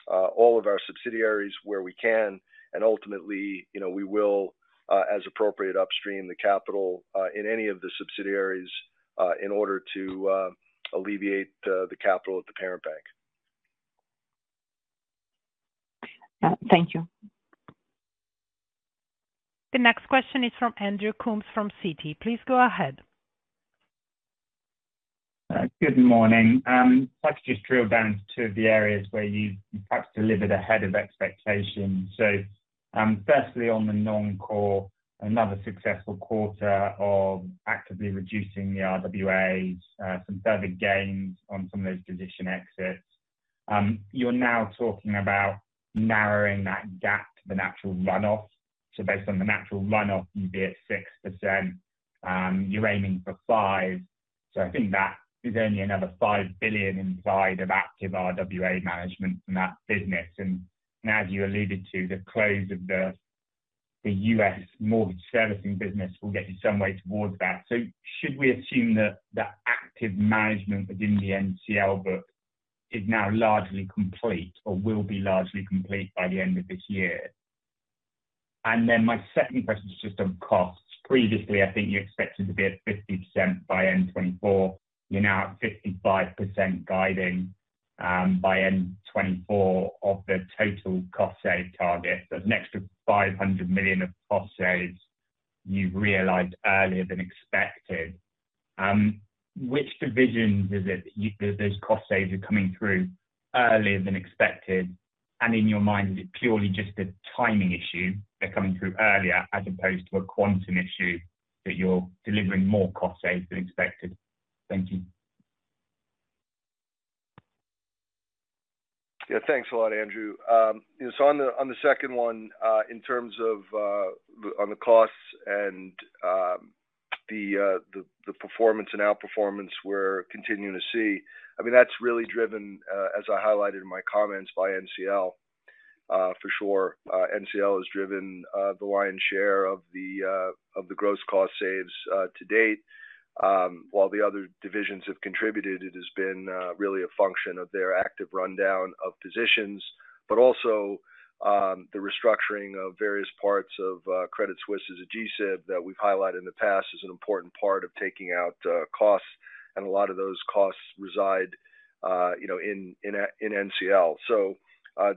all of our subsidiaries where we can, and ultimately, you know, we will, as appropriate, upstream the capital, in any of the subsidiaries, in order to, alleviate, the capital at the parent bank. Yeah, thank you. The next question is from Andrew Coombs, from Citi. Please go ahead. Good morning. If I could just drill down to two of the areas where you've perhaps delivered ahead of expectations. So, firstly, on the non-core, another successful quarter of actively reducing the RWAs, some further gains on some of those position exits. You're now talking about narrowing that gap, the natural runoff. So based on the natural runoff, you'd be at 6%, you're aiming for 5%. So I think that is only another 5 billion inside of active RWA management in that business. And now, as you alluded to, the close of the U.S. mortgage servicing business will get you some way towards that. So should we assume that the active management within the NCL book is now largely complete or will be largely complete by the end of this year? And then my second question is just on costs. Previously, I think you expected to be at 50% by end 2024. You're now at 55% guiding by end 2024 of the total cost save target. There's an extra $500 million of cost saves you've realized earlier than expected. Which divisions is it, those cost saves are coming through earlier than expected, and in your mind, is it purely just a timing issue, they're coming through earlier, as opposed to a quantum issue, that you're delivering more cost saves than expected? Thank you. Yeah, thanks a lot, Andrew. So on the second one, in terms of the costs and the performance and outperformance we're continuing to see, I mean, that's really driven as I highlighted in my comments, by NCL for sure. NCL has driven the lion's share of the gross cost saves to date. While the other divisions have contributed, it has been really a function of their active rundown of positions, but also the restructuring of various parts of Credit Suisse's GSIB that we've highlighted in the past, is an important part of taking out costs, and a lot of those costs reside, you know, in NCL. So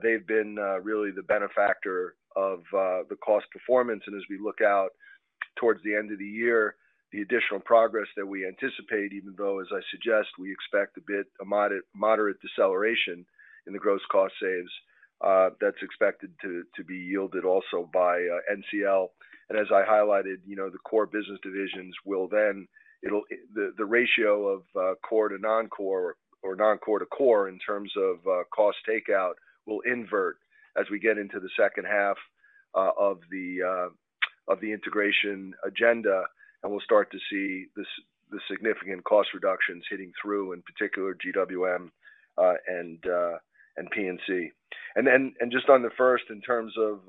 they've been really the benefactor of the cost performance. And as we look out towards the end of the year, the additional progress that we anticipate, even though, as I suggest, we expect a bit, a moderate, moderate deceleration in the gross cost saves, that's expected to be yielded also by NCL. And as I highlighted, you know, the core business divisions will then the ratio of core to non-core, or non-core to core, in terms of cost takeout, will invert as we get into the second half of the integration agenda, and we'll start to see the significant cost reductions hitting through, in particular, GWM, and P&C. Just on the first, in terms of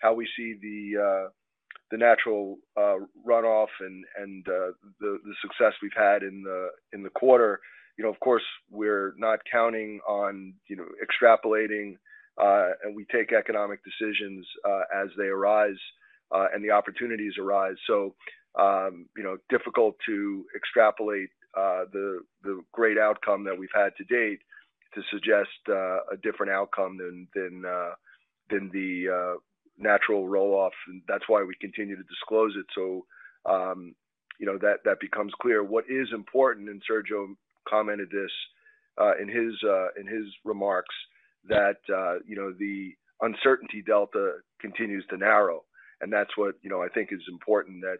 how we see the natural runoff and the success we've had in the quarter, you know, of course, we're not counting on, you know, extrapolating, and we take economic decisions as they arise and the opportunities arise. So, you know, difficult to extrapolate the great outcome that we've had to date to suggest a different outcome than the natural roll-off, and that's why we continue to disclose it. So, you know, that becomes clear. What is important, and Sergio commented this in his remarks, that you know, the uncertainty delta continues to narrow. That's what, you know, I think is important, that,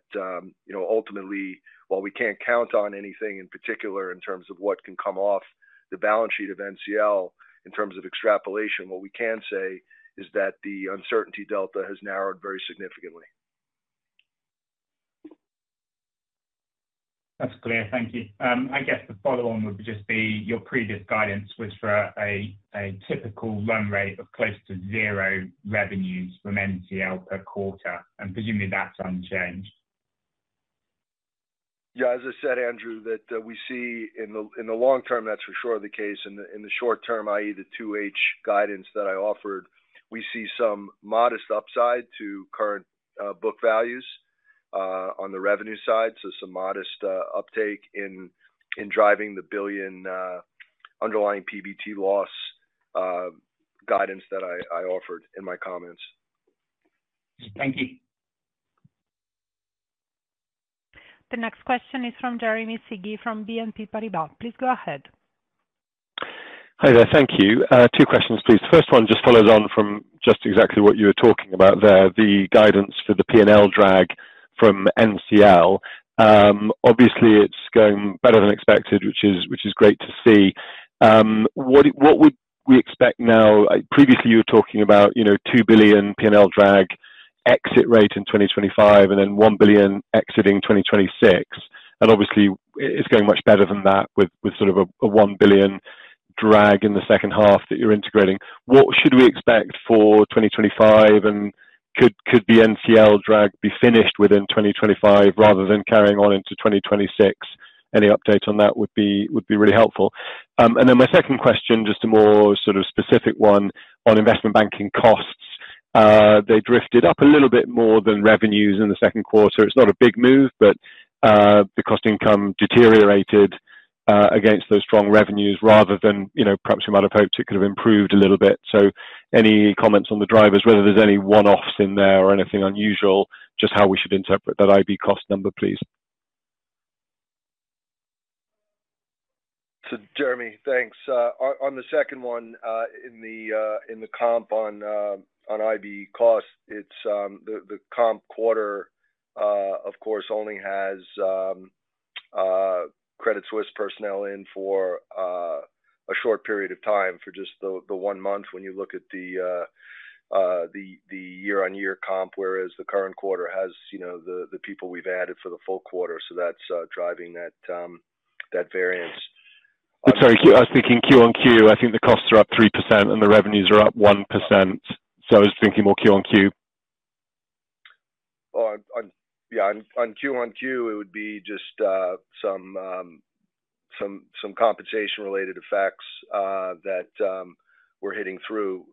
you know, ultimately, while we can't count on anything in particular in terms of what can come off the balance sheet of NCL in terms of extrapolation, what we can say is that the uncertainty delta has narrowed very significantly. That's clear. Thank you. I guess the follow-on would just be, your previous guidance was for a typical run rate of close to zero revenues from NCL per quarter, and presumably that's unchanged? Yeah, as I said, Andrew, that we see in the long term, that's for sure the case. In the short term, i.e., the 2H guidance that I offered, we see some modest upside to current book values on the revenue side, so some modest uptake in driving the 1 billion underlying PBT loss guidance that I offered in my comments. Thank you. The next question is from Jeremy Sigee from BNP Paribas. Please go ahead. Hi there. Thank you. Two questions, please. The first one just follows on from just exactly what you were talking about there, the guidance for the P&L drag from NCL. Obviously, it's going better than expected, which is, which is great to see. What would we expect now? Previously, you were talking about, you know, 2 billion P&L drag exit rate in 2025, and then 1 billion exiting 2026. And obviously, it's going much better than that with sort of a 1 billion drag in the second half that you're integrating. What should we expect for 2025, and could the NCL drag be finished within 2025 rather than carrying on into 2026? Any update on that would be really helpful. And then my second question, just a more sort of specific one on Investment Banking costs. They drifted up a little bit more than revenues in the second quarter. It's not a big move, but the cost income deteriorated against those strong revenues rather than, you know, perhaps you might have hoped it could have improved a little bit. So any comments on the drivers, whether there's any one-offs in there or anything unusual, just how we should interpret that IB cost number, please? So, Jeremy, thanks. On the second one, in the comp on IB costs, it's the comp quarter, of course, only has Credit Suisse personnel in for a short period of time, for just the one month when you look at the year-on-year comp, whereas the current quarter has, you know, the people we've added for the full quarter. So that's driving that variance. I'm sorry, I was thinking Q-on-Q. I think the costs are up 3% and the revenues are up 1%. So I was thinking more Q-on-Q. Oh, on Q-on-Q, it would be just some compensation-related effects that we're hitting through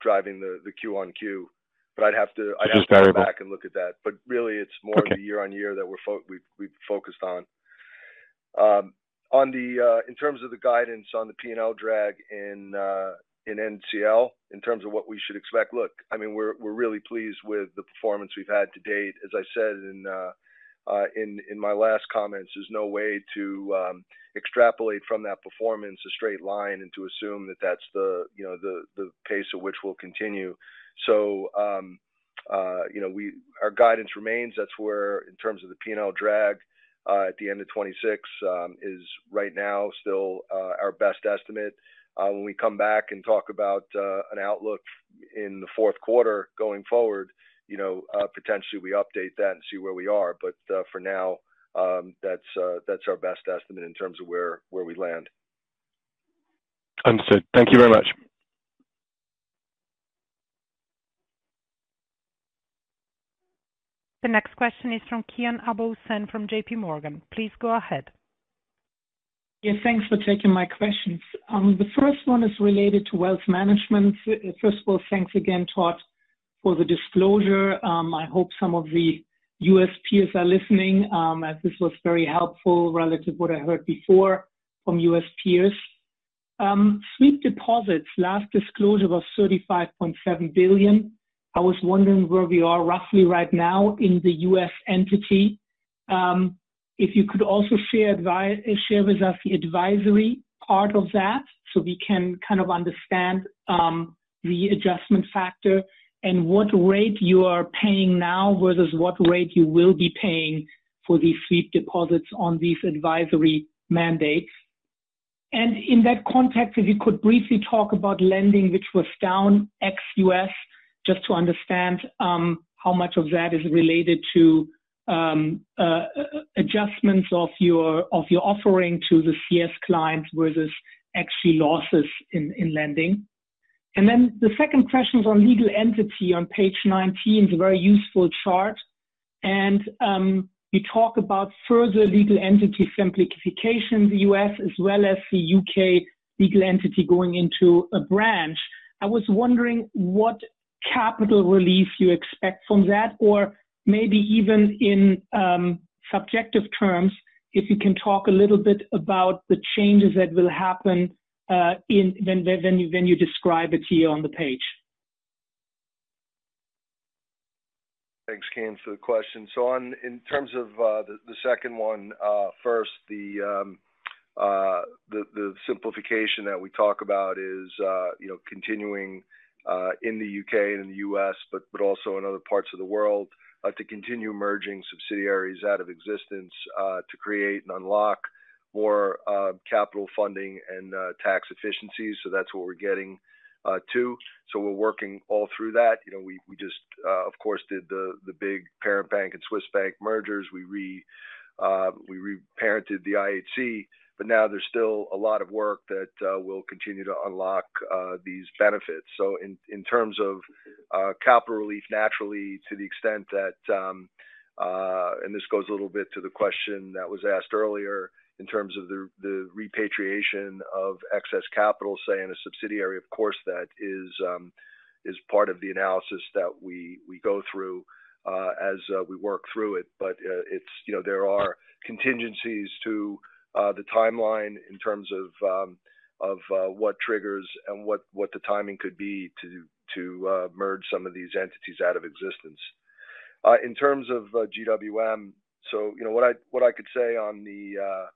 driving the Q-on-Q. But I'd have to- Just clarify. I'd have to go back and look at that. But really, it's more- Okay... of year on year that we're we've focused on. On the in terms of the guidance on the P&L drag in in NCL, in terms of what we should expect. Look, I mean, we're really pleased with the performance we've had to date. As I said in in my last comments, there's no way to extrapolate from that performance a straight line and to assume that that's the you know the pace at which we'll continue. So you know our guidance remains. That's where in terms of the P&L drag at the end of 2026 is right now still our best estimate. When we come back and talk about an outlook in the fourth quarter going forward you know potentially we update that and see where we are. But, for now, that's our best estimate in terms of where we land. Understood. Thank you very much. The next question is from Kian Abouhossein from J.P. Morgan. Please go ahead. Yeah, thanks for taking my questions. The first one is related to wealth management. First of all, thanks again, Todd, for the disclosure. I hope some of the U.S. peers are listening, as this was very helpful relative to what I heard before from U.S. peers. Sweep deposits, last disclosure was $35.7 billion. I was wondering where we are roughly right now in the U.S. entity. If you could also share with us the advisory part of that, so we can kind of understand the adjustment factor and what rate you are paying now versus what rate you will be paying for these sweep deposits on these advisory mandates. In that context, if you could briefly talk about lending, which was down ex-U.S., just to understand how much of that is related to adjustments of your offering to the CS clients versus actually losses in lending. Then the second question is on legal entity. On page 19 is a very useful chart, and you talk about further legal entity simplification, the U.S. as well as the U.K. legal entity going into a branch. I was wondering what capital relief you expect from that, or maybe even in subjective terms, if you can talk a little bit about the changes that will happen when you describe it here on the page. Thanks, Kian, for the question. So, in terms of the second one, first, the simplification that we talk about is, you know, continuing in the U.K. and in the U.S., but also in other parts of the world. To continue merging subsidiaries out of existence, to create and unlock more capital funding and tax efficiencies. So that's what we're getting to. So we're working all through that. You know, we just, of course, did the big Parent Bank and Swiss Bank mergers. We reparented the IHC, but now there's still a lot of work that will continue to unlock these benefits. So in terms of capital relief, naturally, to the extent that and this goes a little bit to the question that was asked earlier in terms of the repatriation of excess capital, say, in a subsidiary, of course, that is part of the analysis that we go through as we work through it. But it's, you know, there are contingencies to the timeline in terms of what triggers and what the timing could be to merge some of these entities out of existence. In terms of GWM, so, you know, what I could say on the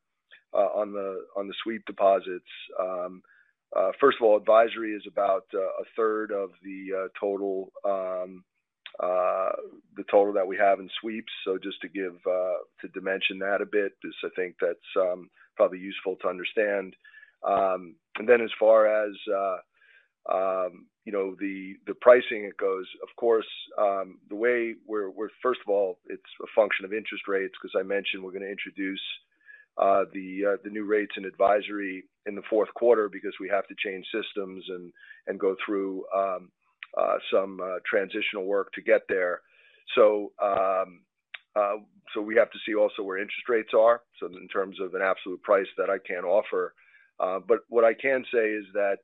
sweep deposits, first of all, advisory is about a third of the total that we have in sweeps. So just to give to dimension that a bit, because I think that's probably useful to understand. And then as far as, you know, the, the pricing it goes, of course, the way we're first of all, it's a function of interest rates, because I mentioned we're going to introduce the, the new rates and advisory in the fourth quarter because we have to change systems and, and go through some transitional work to get there. So, so we have to see also where interest rates are, so in terms of an absolute price that I can't offer. But what I can say is that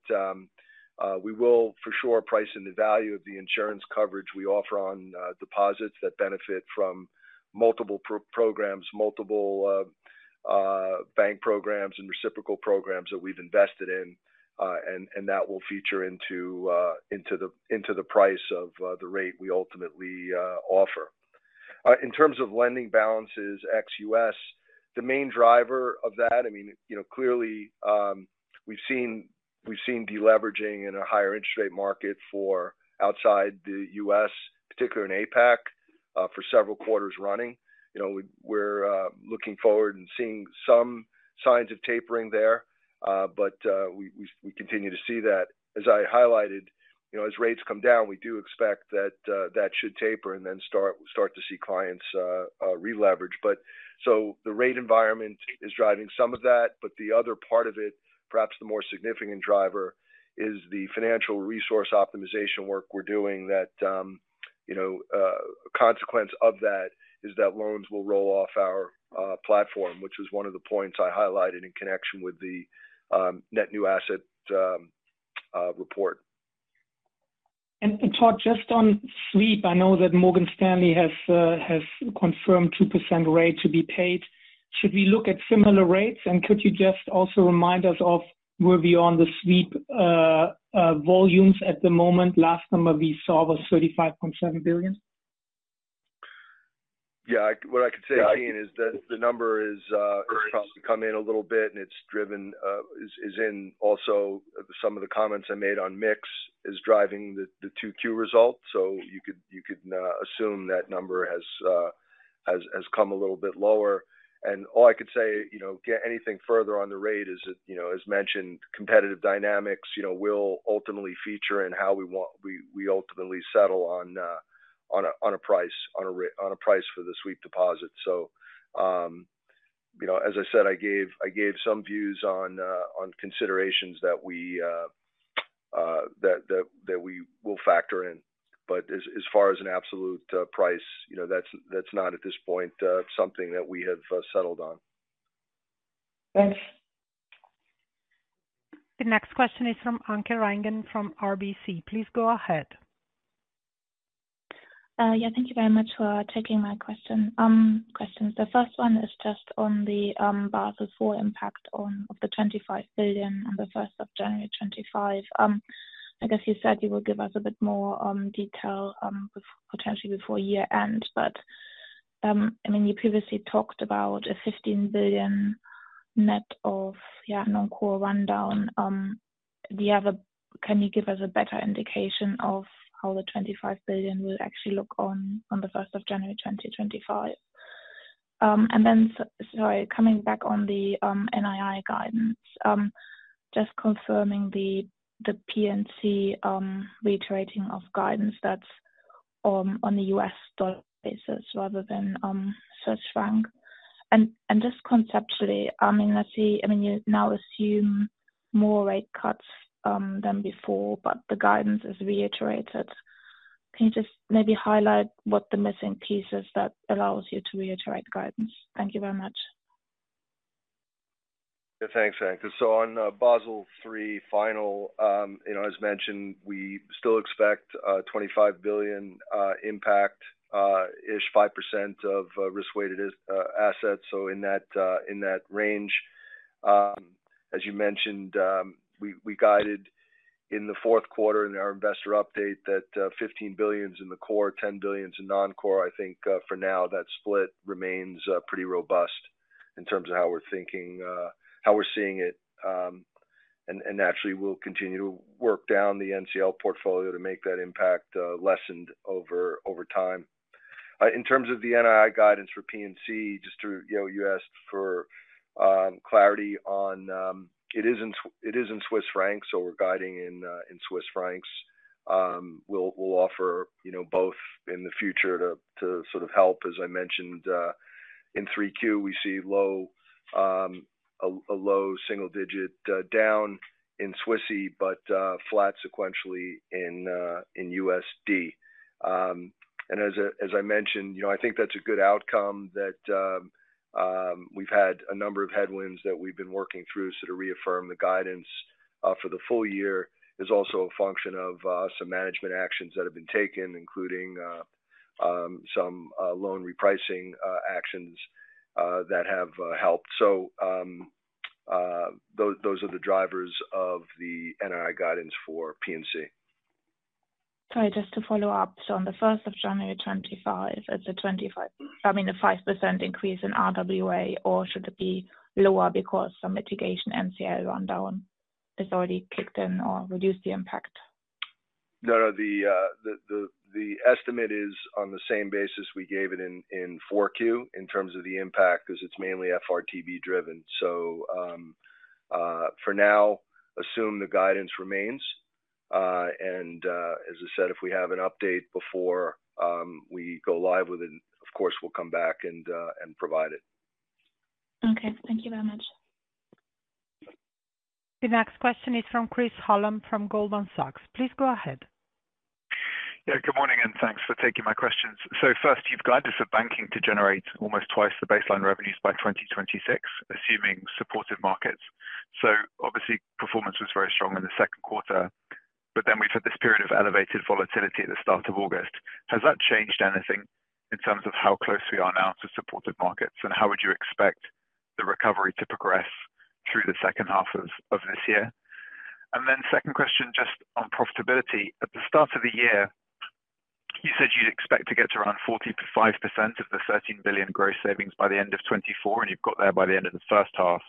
we will for sure price in the value of the insurance coverage we offer on deposits that benefit from multiple pro-rata programs, bank programs and reciprocal programs that we've invested in. And that will feature into the price of the rate we ultimately offer. In terms of lending balances ex-U.S., the main driver of that, I mean, you know, clearly, we've seen deleveraging in a higher interest rate market for outside the U.S., particularly in APAC, for several quarters running. You know, we're looking forward and seeing some signs of tapering there, but we continue to see that. As I highlighted, you know, as rates come down, we do expect that that should taper and then start to see clients re-leverage. But so the rate environment is driving some of that, but the other part of it, perhaps the more significant driver, is the financial resource optimization work we're doing that you know a consequence of that is that loans will roll off our platform, which is one of the points I highlighted in connection with the net new assets report. Todd, just on sweep, I know that Morgan Stanley has confirmed 2% rate to be paid. Should we look at similar rates, and could you just also remind us of where we are on the sweep volumes at the moment? Last number we saw was $35.7 billion. Yeah, what I could say, Kian, is that the number is come in a little bit, and it's driven, is in also some of the comments I made on mix is driving the 2Q results. So you could assume that number has come a little bit lower. And all I could say, you know, get anything further on the rate is that, you know, as mentioned, competitive dynamics, you know, will ultimately feature in how we ultimately settle on a price for the sweep deposit. So, you know, as I said, I gave some views on considerations that we will factor in. As far as an absolute price, you know, that's not at this point something that we have settled on. Thanks. The next question is from Anke Reingen from RBC. Please go ahead. Yeah, thank you very much for taking my question. Questions. The first one is just on the Basel IV impact on the 25 billion on the first of January 2025. I guess you said you will give us a bit more detail potentially before year-end, but I mean, you previously talked about a 15 billion net of non-core rundown. The other—can you give us a better indication of how the 25 billion will actually look on the first of January 2025? And then, sorry, coming back on the NII guidance, just confirming the P&C reiterating of guidance that's on the US dollar basis rather than Swiss franc. Just conceptually, I mean, let's see, I mean, you now assume more rate cuts than before, but the guidance is reiterated. Can you just maybe highlight what the missing pieces that allows you to reiterate guidance? Thank you very much. Yeah, thanks, Anke. So on Basel III final, you know, as mentioned, we still expect 25 billion impact ish, 5% of risk-weighted assets. So in that range, as you mentioned, we guided in the fourth quarter in our investor update that 15 billion is in the core, 10 billion is in non-core. I think for now, that split remains pretty robust in terms of how we're thinking, how we're seeing it. And naturally, we'll continue to work down the NCL portfolio to make that impact lessened over time. In terms of the NII guidance for P&C, just to you know, you asked for clarity on... It is in Swiss francs, so we're guiding in Swiss francs. We'll offer, you know, both in the future to sort of help. As I mentioned, in 3Q, we see a low single digit down in Swissy, but flat sequentially in USD. And as I mentioned, you know, I think that's a good outcome that we've had a number of headwinds that we've been working through. So to reaffirm the guidance for the full year is also a function of some management actions that have been taken, including some loan repricing actions that have helped. So those are the drivers of the NII guidance for P&C. Sorry, just to follow up. So on the first of January 2025, it's a 25%-- I mean, a 5% increase in RWA, or should it be lower because some mitigation NCL rundown?... it's already kicked in or reduced the impact? No, no, the estimate is on the same basis we gave it in 4Q, in terms of the impact, because it's mainly FRTB driven. So, for now, assume the guidance remains. And, as I said, if we have an update before we go live with it, of course, we'll come back and provide it. Okay. Thank you very much. The next question is from Chris Hallam, from Goldman Sachs. Please go ahead. Yeah, good morning, and thanks for taking my questions. So first, you've guided for banking to generate almost twice the baseline revenues by 2026, assuming supportive markets. So obviously, performance was very strong in the second quarter, but then we've had this period of elevated volatility at the start of August. Has that changed anything in terms of how close we are now to supportive markets? And how would you expect the recovery to progress through the second half of this year? And then second question, just on profitability. At the start of the year, you said you'd expect to get to around 45% of the 13 billion gross savings by the end of 2024, and you've got there by the end of the first half.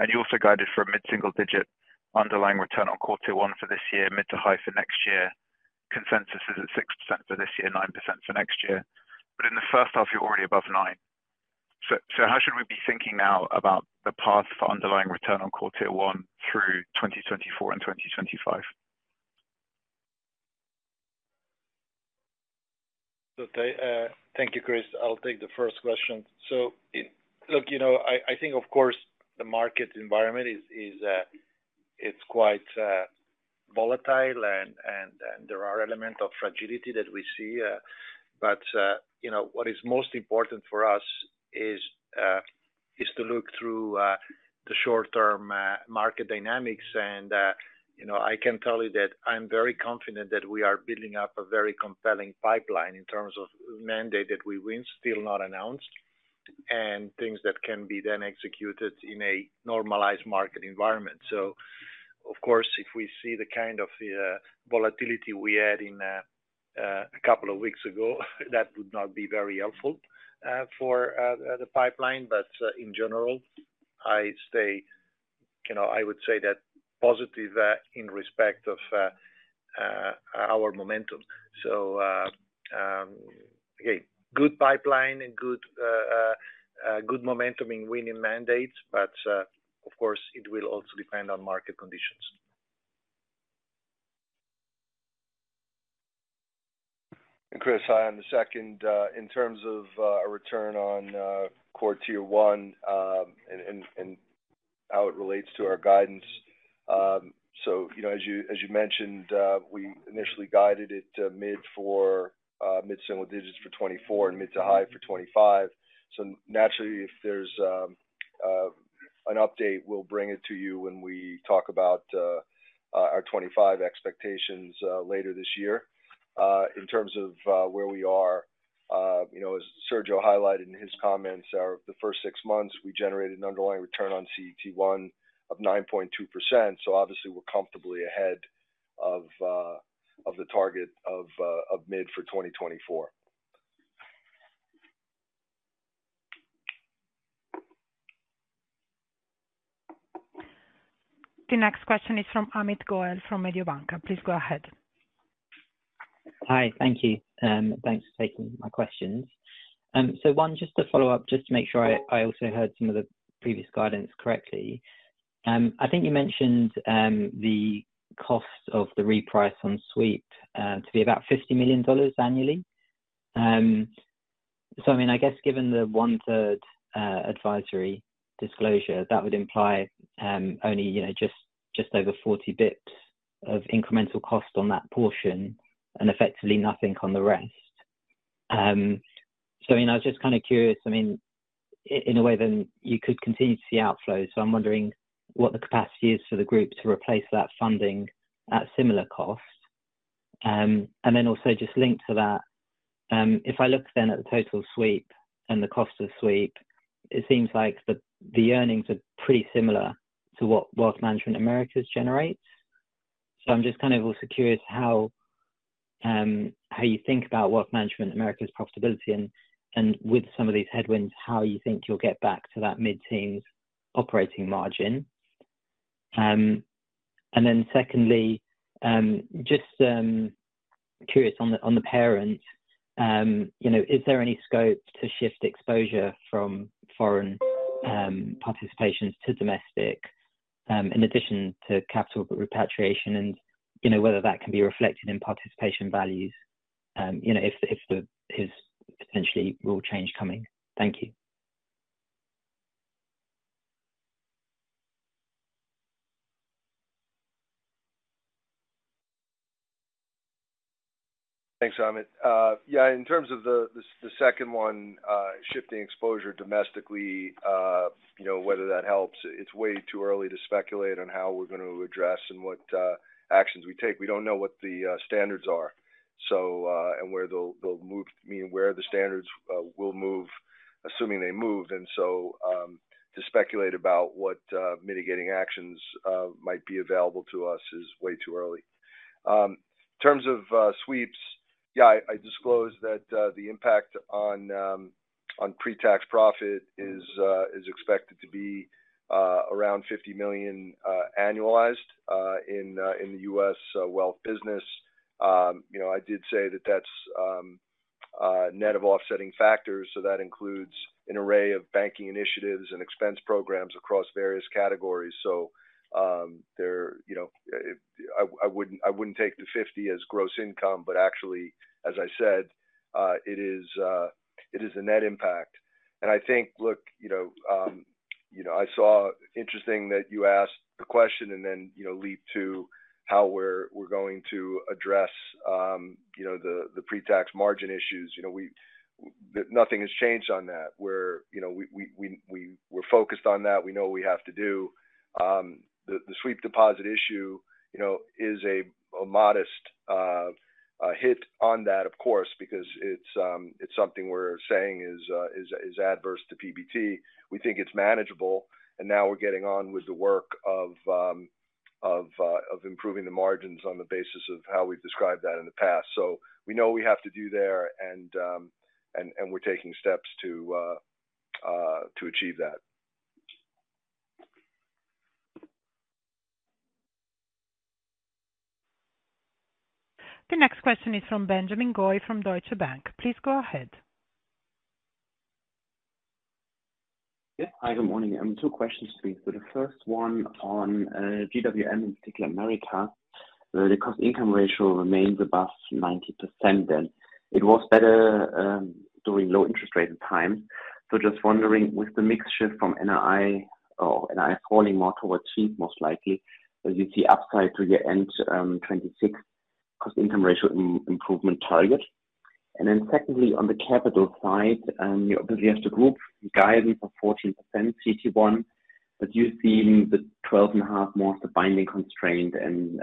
You also guided for a mid-single digit underlying return on Core Tier 1 for this year, mid to high for next year. Consensus is at 6% for this year, 9% for next year. But in the first half, you're already above 9%. So, how should we be thinking now about the path for underlying return on Core Tier 1 through 2024 and 2025? So, thank you, Chris. I'll take the first question. So, look, you know, I think, of course, the market environment is, it's quite volatile, and there are element of fragility that we see, but you know, what is most important for us is to look through the short-term market dynamics. And, you know, I can tell you that I'm very confident that we are building up a very compelling pipeline in terms of mandate that we win, still not announced, and things that can be then executed in a normalized market environment. So of course, if we see the kind of volatility we had in a couple of weeks ago, that would not be very helpful for the pipeline. But, in general, I stay, you know, I would say that positive, in respect of, our momentum. So, again, good pipeline and good, good momentum in winning mandates, but, of course, it will also depend on market conditions. Chris, I on the second, in terms of a return on Core Tier 1, and how it relates to our guidance. So, you know, as you mentioned, we initially guided it to mid-single digits for 2024 and mid to high for 2025. So naturally, if there's an update, we'll bring it to you when we talk about our 2025 expectations later this year. In terms of where we are, you know, as Sergio highlighted in his comments, in the first six months, we generated an underlying return on CET1 of 9.2%, so obviously, we're comfortably ahead of the target of mid for 2024. The next question is from Amit Goel, from Mediobanca. Please go ahead. Hi. Thank you. Thanks for taking my questions. So one, just to follow up, just to make sure I also heard some of the previous guidance correctly. I think you mentioned the cost of the reprice on sweep to be about $50 million annually. So, I mean, I guess given the one-third advisory disclosure, that would imply only, you know, just over 40 bps of incremental cost on that portion and effectively nothing on the rest. So, you know, I was just kind of curious, I mean, in a way, then you could continue to see outflows, so I'm wondering what the capacity is for the group to replace that funding at similar costs. And then also just linked to that, if I look then at the total sweep and the cost of sweep, it seems like the earnings are pretty similar to what Wealth Management Americas generates. So I'm just kind of also curious how you think about Wealth Management Americas profitability and, with some of these headwinds, how you think you'll get back to that mid-teens operating margin? And then secondly, just curious on the parent, you know, is there any scope to shift exposure from foreign participations to domestic, in addition to capital repatriation and, you know, whether that can be reflected in participation values, you know, if there's potentially rule change coming? Thank you. Thanks, Amit. In terms of the second one, shifting exposure domestically, you know, whether that helps, it's way too early to speculate on how we're going to address and what actions we take. We don't know what the standards are. So, and where they'll move—I mean, where the standards will move, assuming they moved. And so, to speculate about what mitigating actions might be available to us is way too early. In terms of sweeps. Yeah, I disclosed that the impact on pre-tax profit is expected to be around $50 million, annualized, in the U.S. wealth business. You know, I did say that that's net of offsetting factors, so that includes an array of banking initiatives and expense programs across various categories. So, there, you know, I wouldn't take the 50 as gross income, but actually, as I said, it is a net impact. And I think, look, you know, you know, I saw interesting that you asked the question and then, you know, leap to how we're going to address, you know, the pre-tax margin issues. You know, we - nothing has changed on that. We're, you know, we're focused on that. We know what we have to do. The sweep deposit issue, you know, is a modest hit on that, of course, because it's something we're saying is adverse to PBT. We think it's manageable, and now we're getting on with the work of improving the margins on the basis of how we've described that in the past. So we know what we have to do there, and we're taking steps to achieve that. The next question is from Benjamin Goy from Deutsche Bank. Please go ahead. Yes. Hi, good morning. Two questions, please. So the first one on GWM, in particular, America, where the cost income ratio remains above 90%, and it was better during low interest rate times. So just wondering, with the mix shift from NII or NII falling more towards cheap, most likely, as you see upside to your end-2026 cost income ratio improvement target. And then secondly, on the capital side, and you obviously have the group guidance of 14% CET1, but you've seen the 12.5 more of the binding constraint. And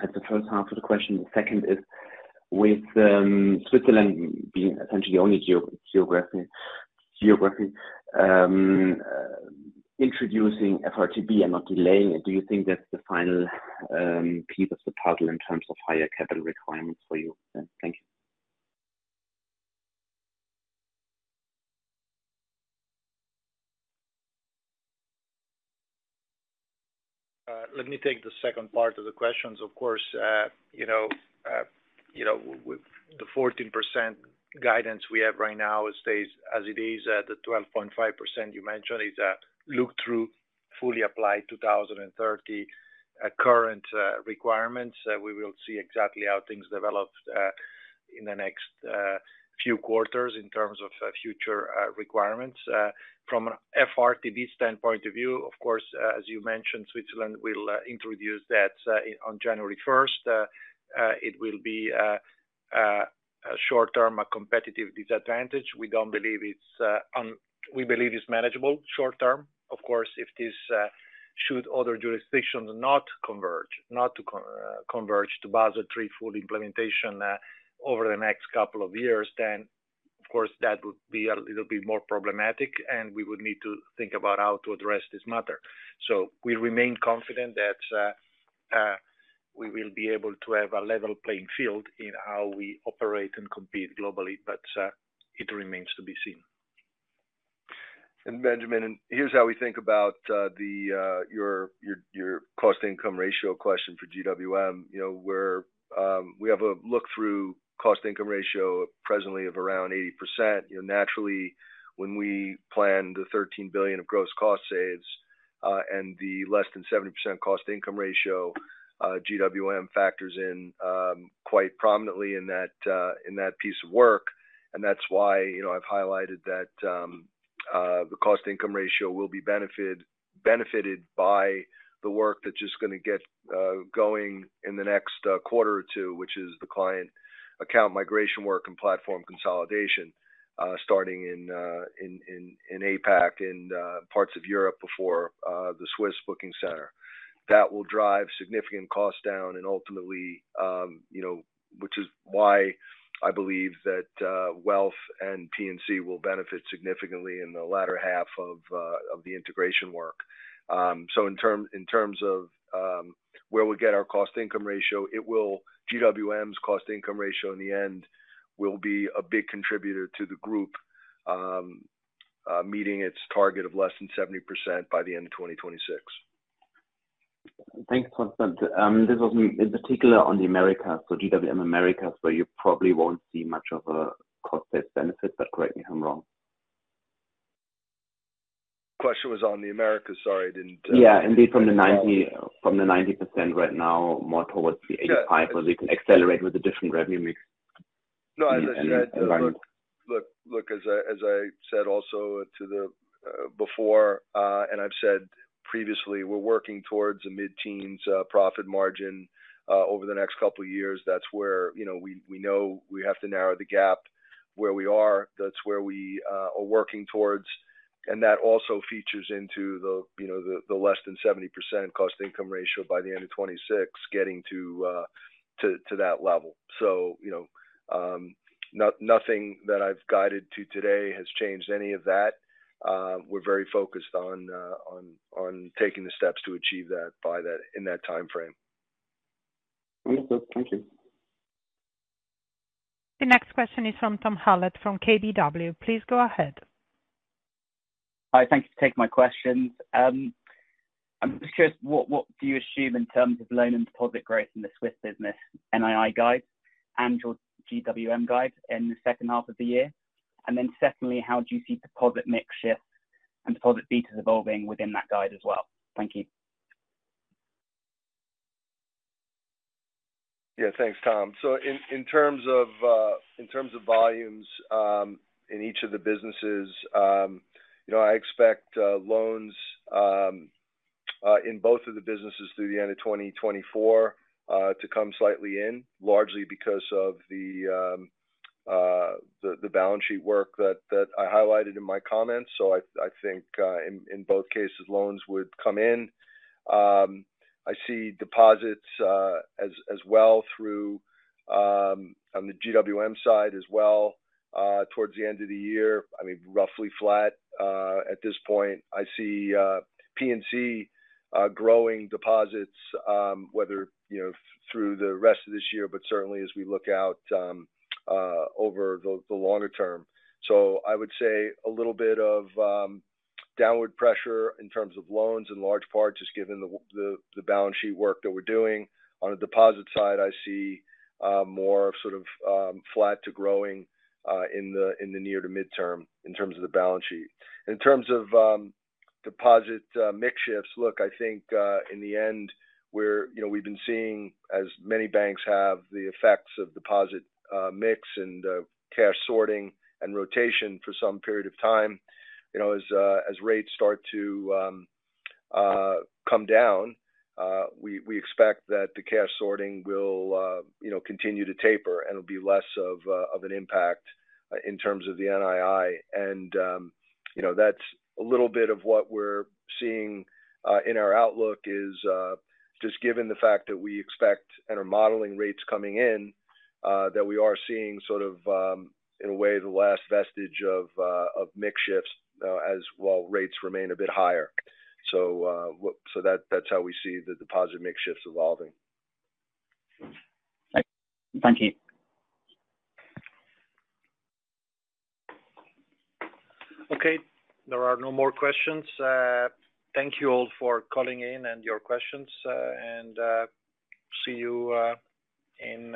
that's the first half of the question. The second is, with Switzerland being essentially the only geographic introducing FRTB and not delaying it, do you think that's the final piece of the puzzle in terms of higher capital requirements for you? Thank you. Let me take the second part of the questions. Of course, you know, you know, with the 14% guidance we have right now, it stays as it is, at the 12.5% you mentioned, is a look through, fully applied 2030, current, requirements. We will see exactly how things develop, in the next, few quarters in terms of, future, requirements. From an FRTB standpoint of view, of course, as you mentioned, Switzerland will, introduce that, on January first. It will be, a, a short term, a competitive disadvantage. We don't believe it's, we believe it's manageable short term. Of course, if this should other jurisdictions not converge to budgetary full implementation over the next couple of years, then, of course, that would be a little bit more problematic, and we would need to think about how to address this matter. So we remain confident that we will be able to have a level playing field in how we operate and compete globally, but it remains to be seen. Benjamin, here's how we think about your cost income ratio question for GWM. You know, we're we have a look through cost income ratio presently of around 80%. You know, naturally, when we plan the 13 billion of gross cost saves, and the less than 70% cost income ratio, GWM factors in quite prominently in that piece of work. And that's why, you know, I've highlighted that the cost income ratio will be benefited by the work that's just going to get going in the next quarter or two, which is the client account migration work and platform consolidation, starting in APAC, in parts of Europe before the Swiss booking center. That will drive significant cost down and ultimately, you know, which is why I believe that, wealth and P&C will benefit significantly in the latter half of the integration work. So in terms of where we get our cost income ratio, it will GWM's cost income ratio in the end will be a big contributor to the group, meeting its target of less than 70% by the end of 2026. Thanks, Constant. This was in particular on the Americas, so GWM Americas, where you probably won't see much of a cost-based benefit, but correct me if I'm wrong. Question was on the Americas. Sorry, I didn't, Yeah, indeed, from the 90, from the 90% right now, more towards the 85, where we can accelerate with the different revenue mix. No, as I said, look, look, look, as I, as I said also to the, before, and I've said previously, we're working towards a mid-teens profit margin over the next couple of years. That's where, you know, we, we know we have to narrow the gap where we are. That's where we are working towards. And that also features into the, you know, the, the less than 70% cost income ratio by the end of 2026, getting to, to, to that level. So, you know, nothing that I've guided to today has changed any of that. We're very focused on, on, on taking the steps to achieve that by that, in that time frame. Wonderful. Thank you. The next question is from Tom Hallett from KBW. Please go ahead. Hi, thank you for taking my questions. I'm just curious, what, what do you assume in terms of loan and deposit growth in the Swiss business NII guide and your GWM guide in the second half of the year? And then secondly, how do you see deposit mix shift and deposit betas evolving within that guide as well? Thank you. Yeah, thanks, Tom. So in terms of volumes in each of the businesses, you know, I expect loans in both of the businesses through the end of 2024 to come slightly in, largely because of the balance sheet work that I highlighted in my comments. So I think in both cases, loans would come in. I see deposits as well through on the GWM side as well towards the end of the year. I mean, roughly flat. At this point, I see P&C growing deposits whether you know through the rest of this year, but certainly as we look out over the longer term. So I would say a little bit of downward pressure in terms of loans, in large part, just given the balance sheet work that we're doing. On the deposit side, I see more sort of flat to growing in the near to midterm in terms of the balance sheet. In terms of deposit mix shifts, look, I think in the end, we're, you know, we've been seeing, as many banks have, the effects of deposit mix and cash sorting and rotation for some period of time. You know, as rates start to come down, we expect that the cash sorting will, you know, continue to taper, and it'll be less of an impact in terms of the NII. You know, that's a little bit of what we're seeing in our outlook, just given the fact that we expect and are modeling rates coming in, that we are seeing sort of, in a way, the last vestige of mix shifts, as while rates remain a bit higher. So that's how we see the deposit mix shifts evolving. Thank you. Okay. There are no more questions. Thank you all for calling in and your questions, and see you in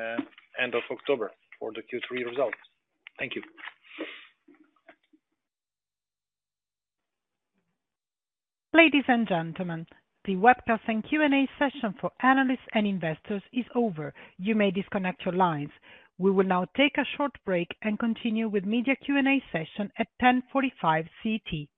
end of October for the Q3 results. Thank you. Ladies and gentlemen, the webcast and Q&A session for analysts and investors is over. You may disconnect your lines. We will now take a short break and continue with media Q&A session at 10:45 CET.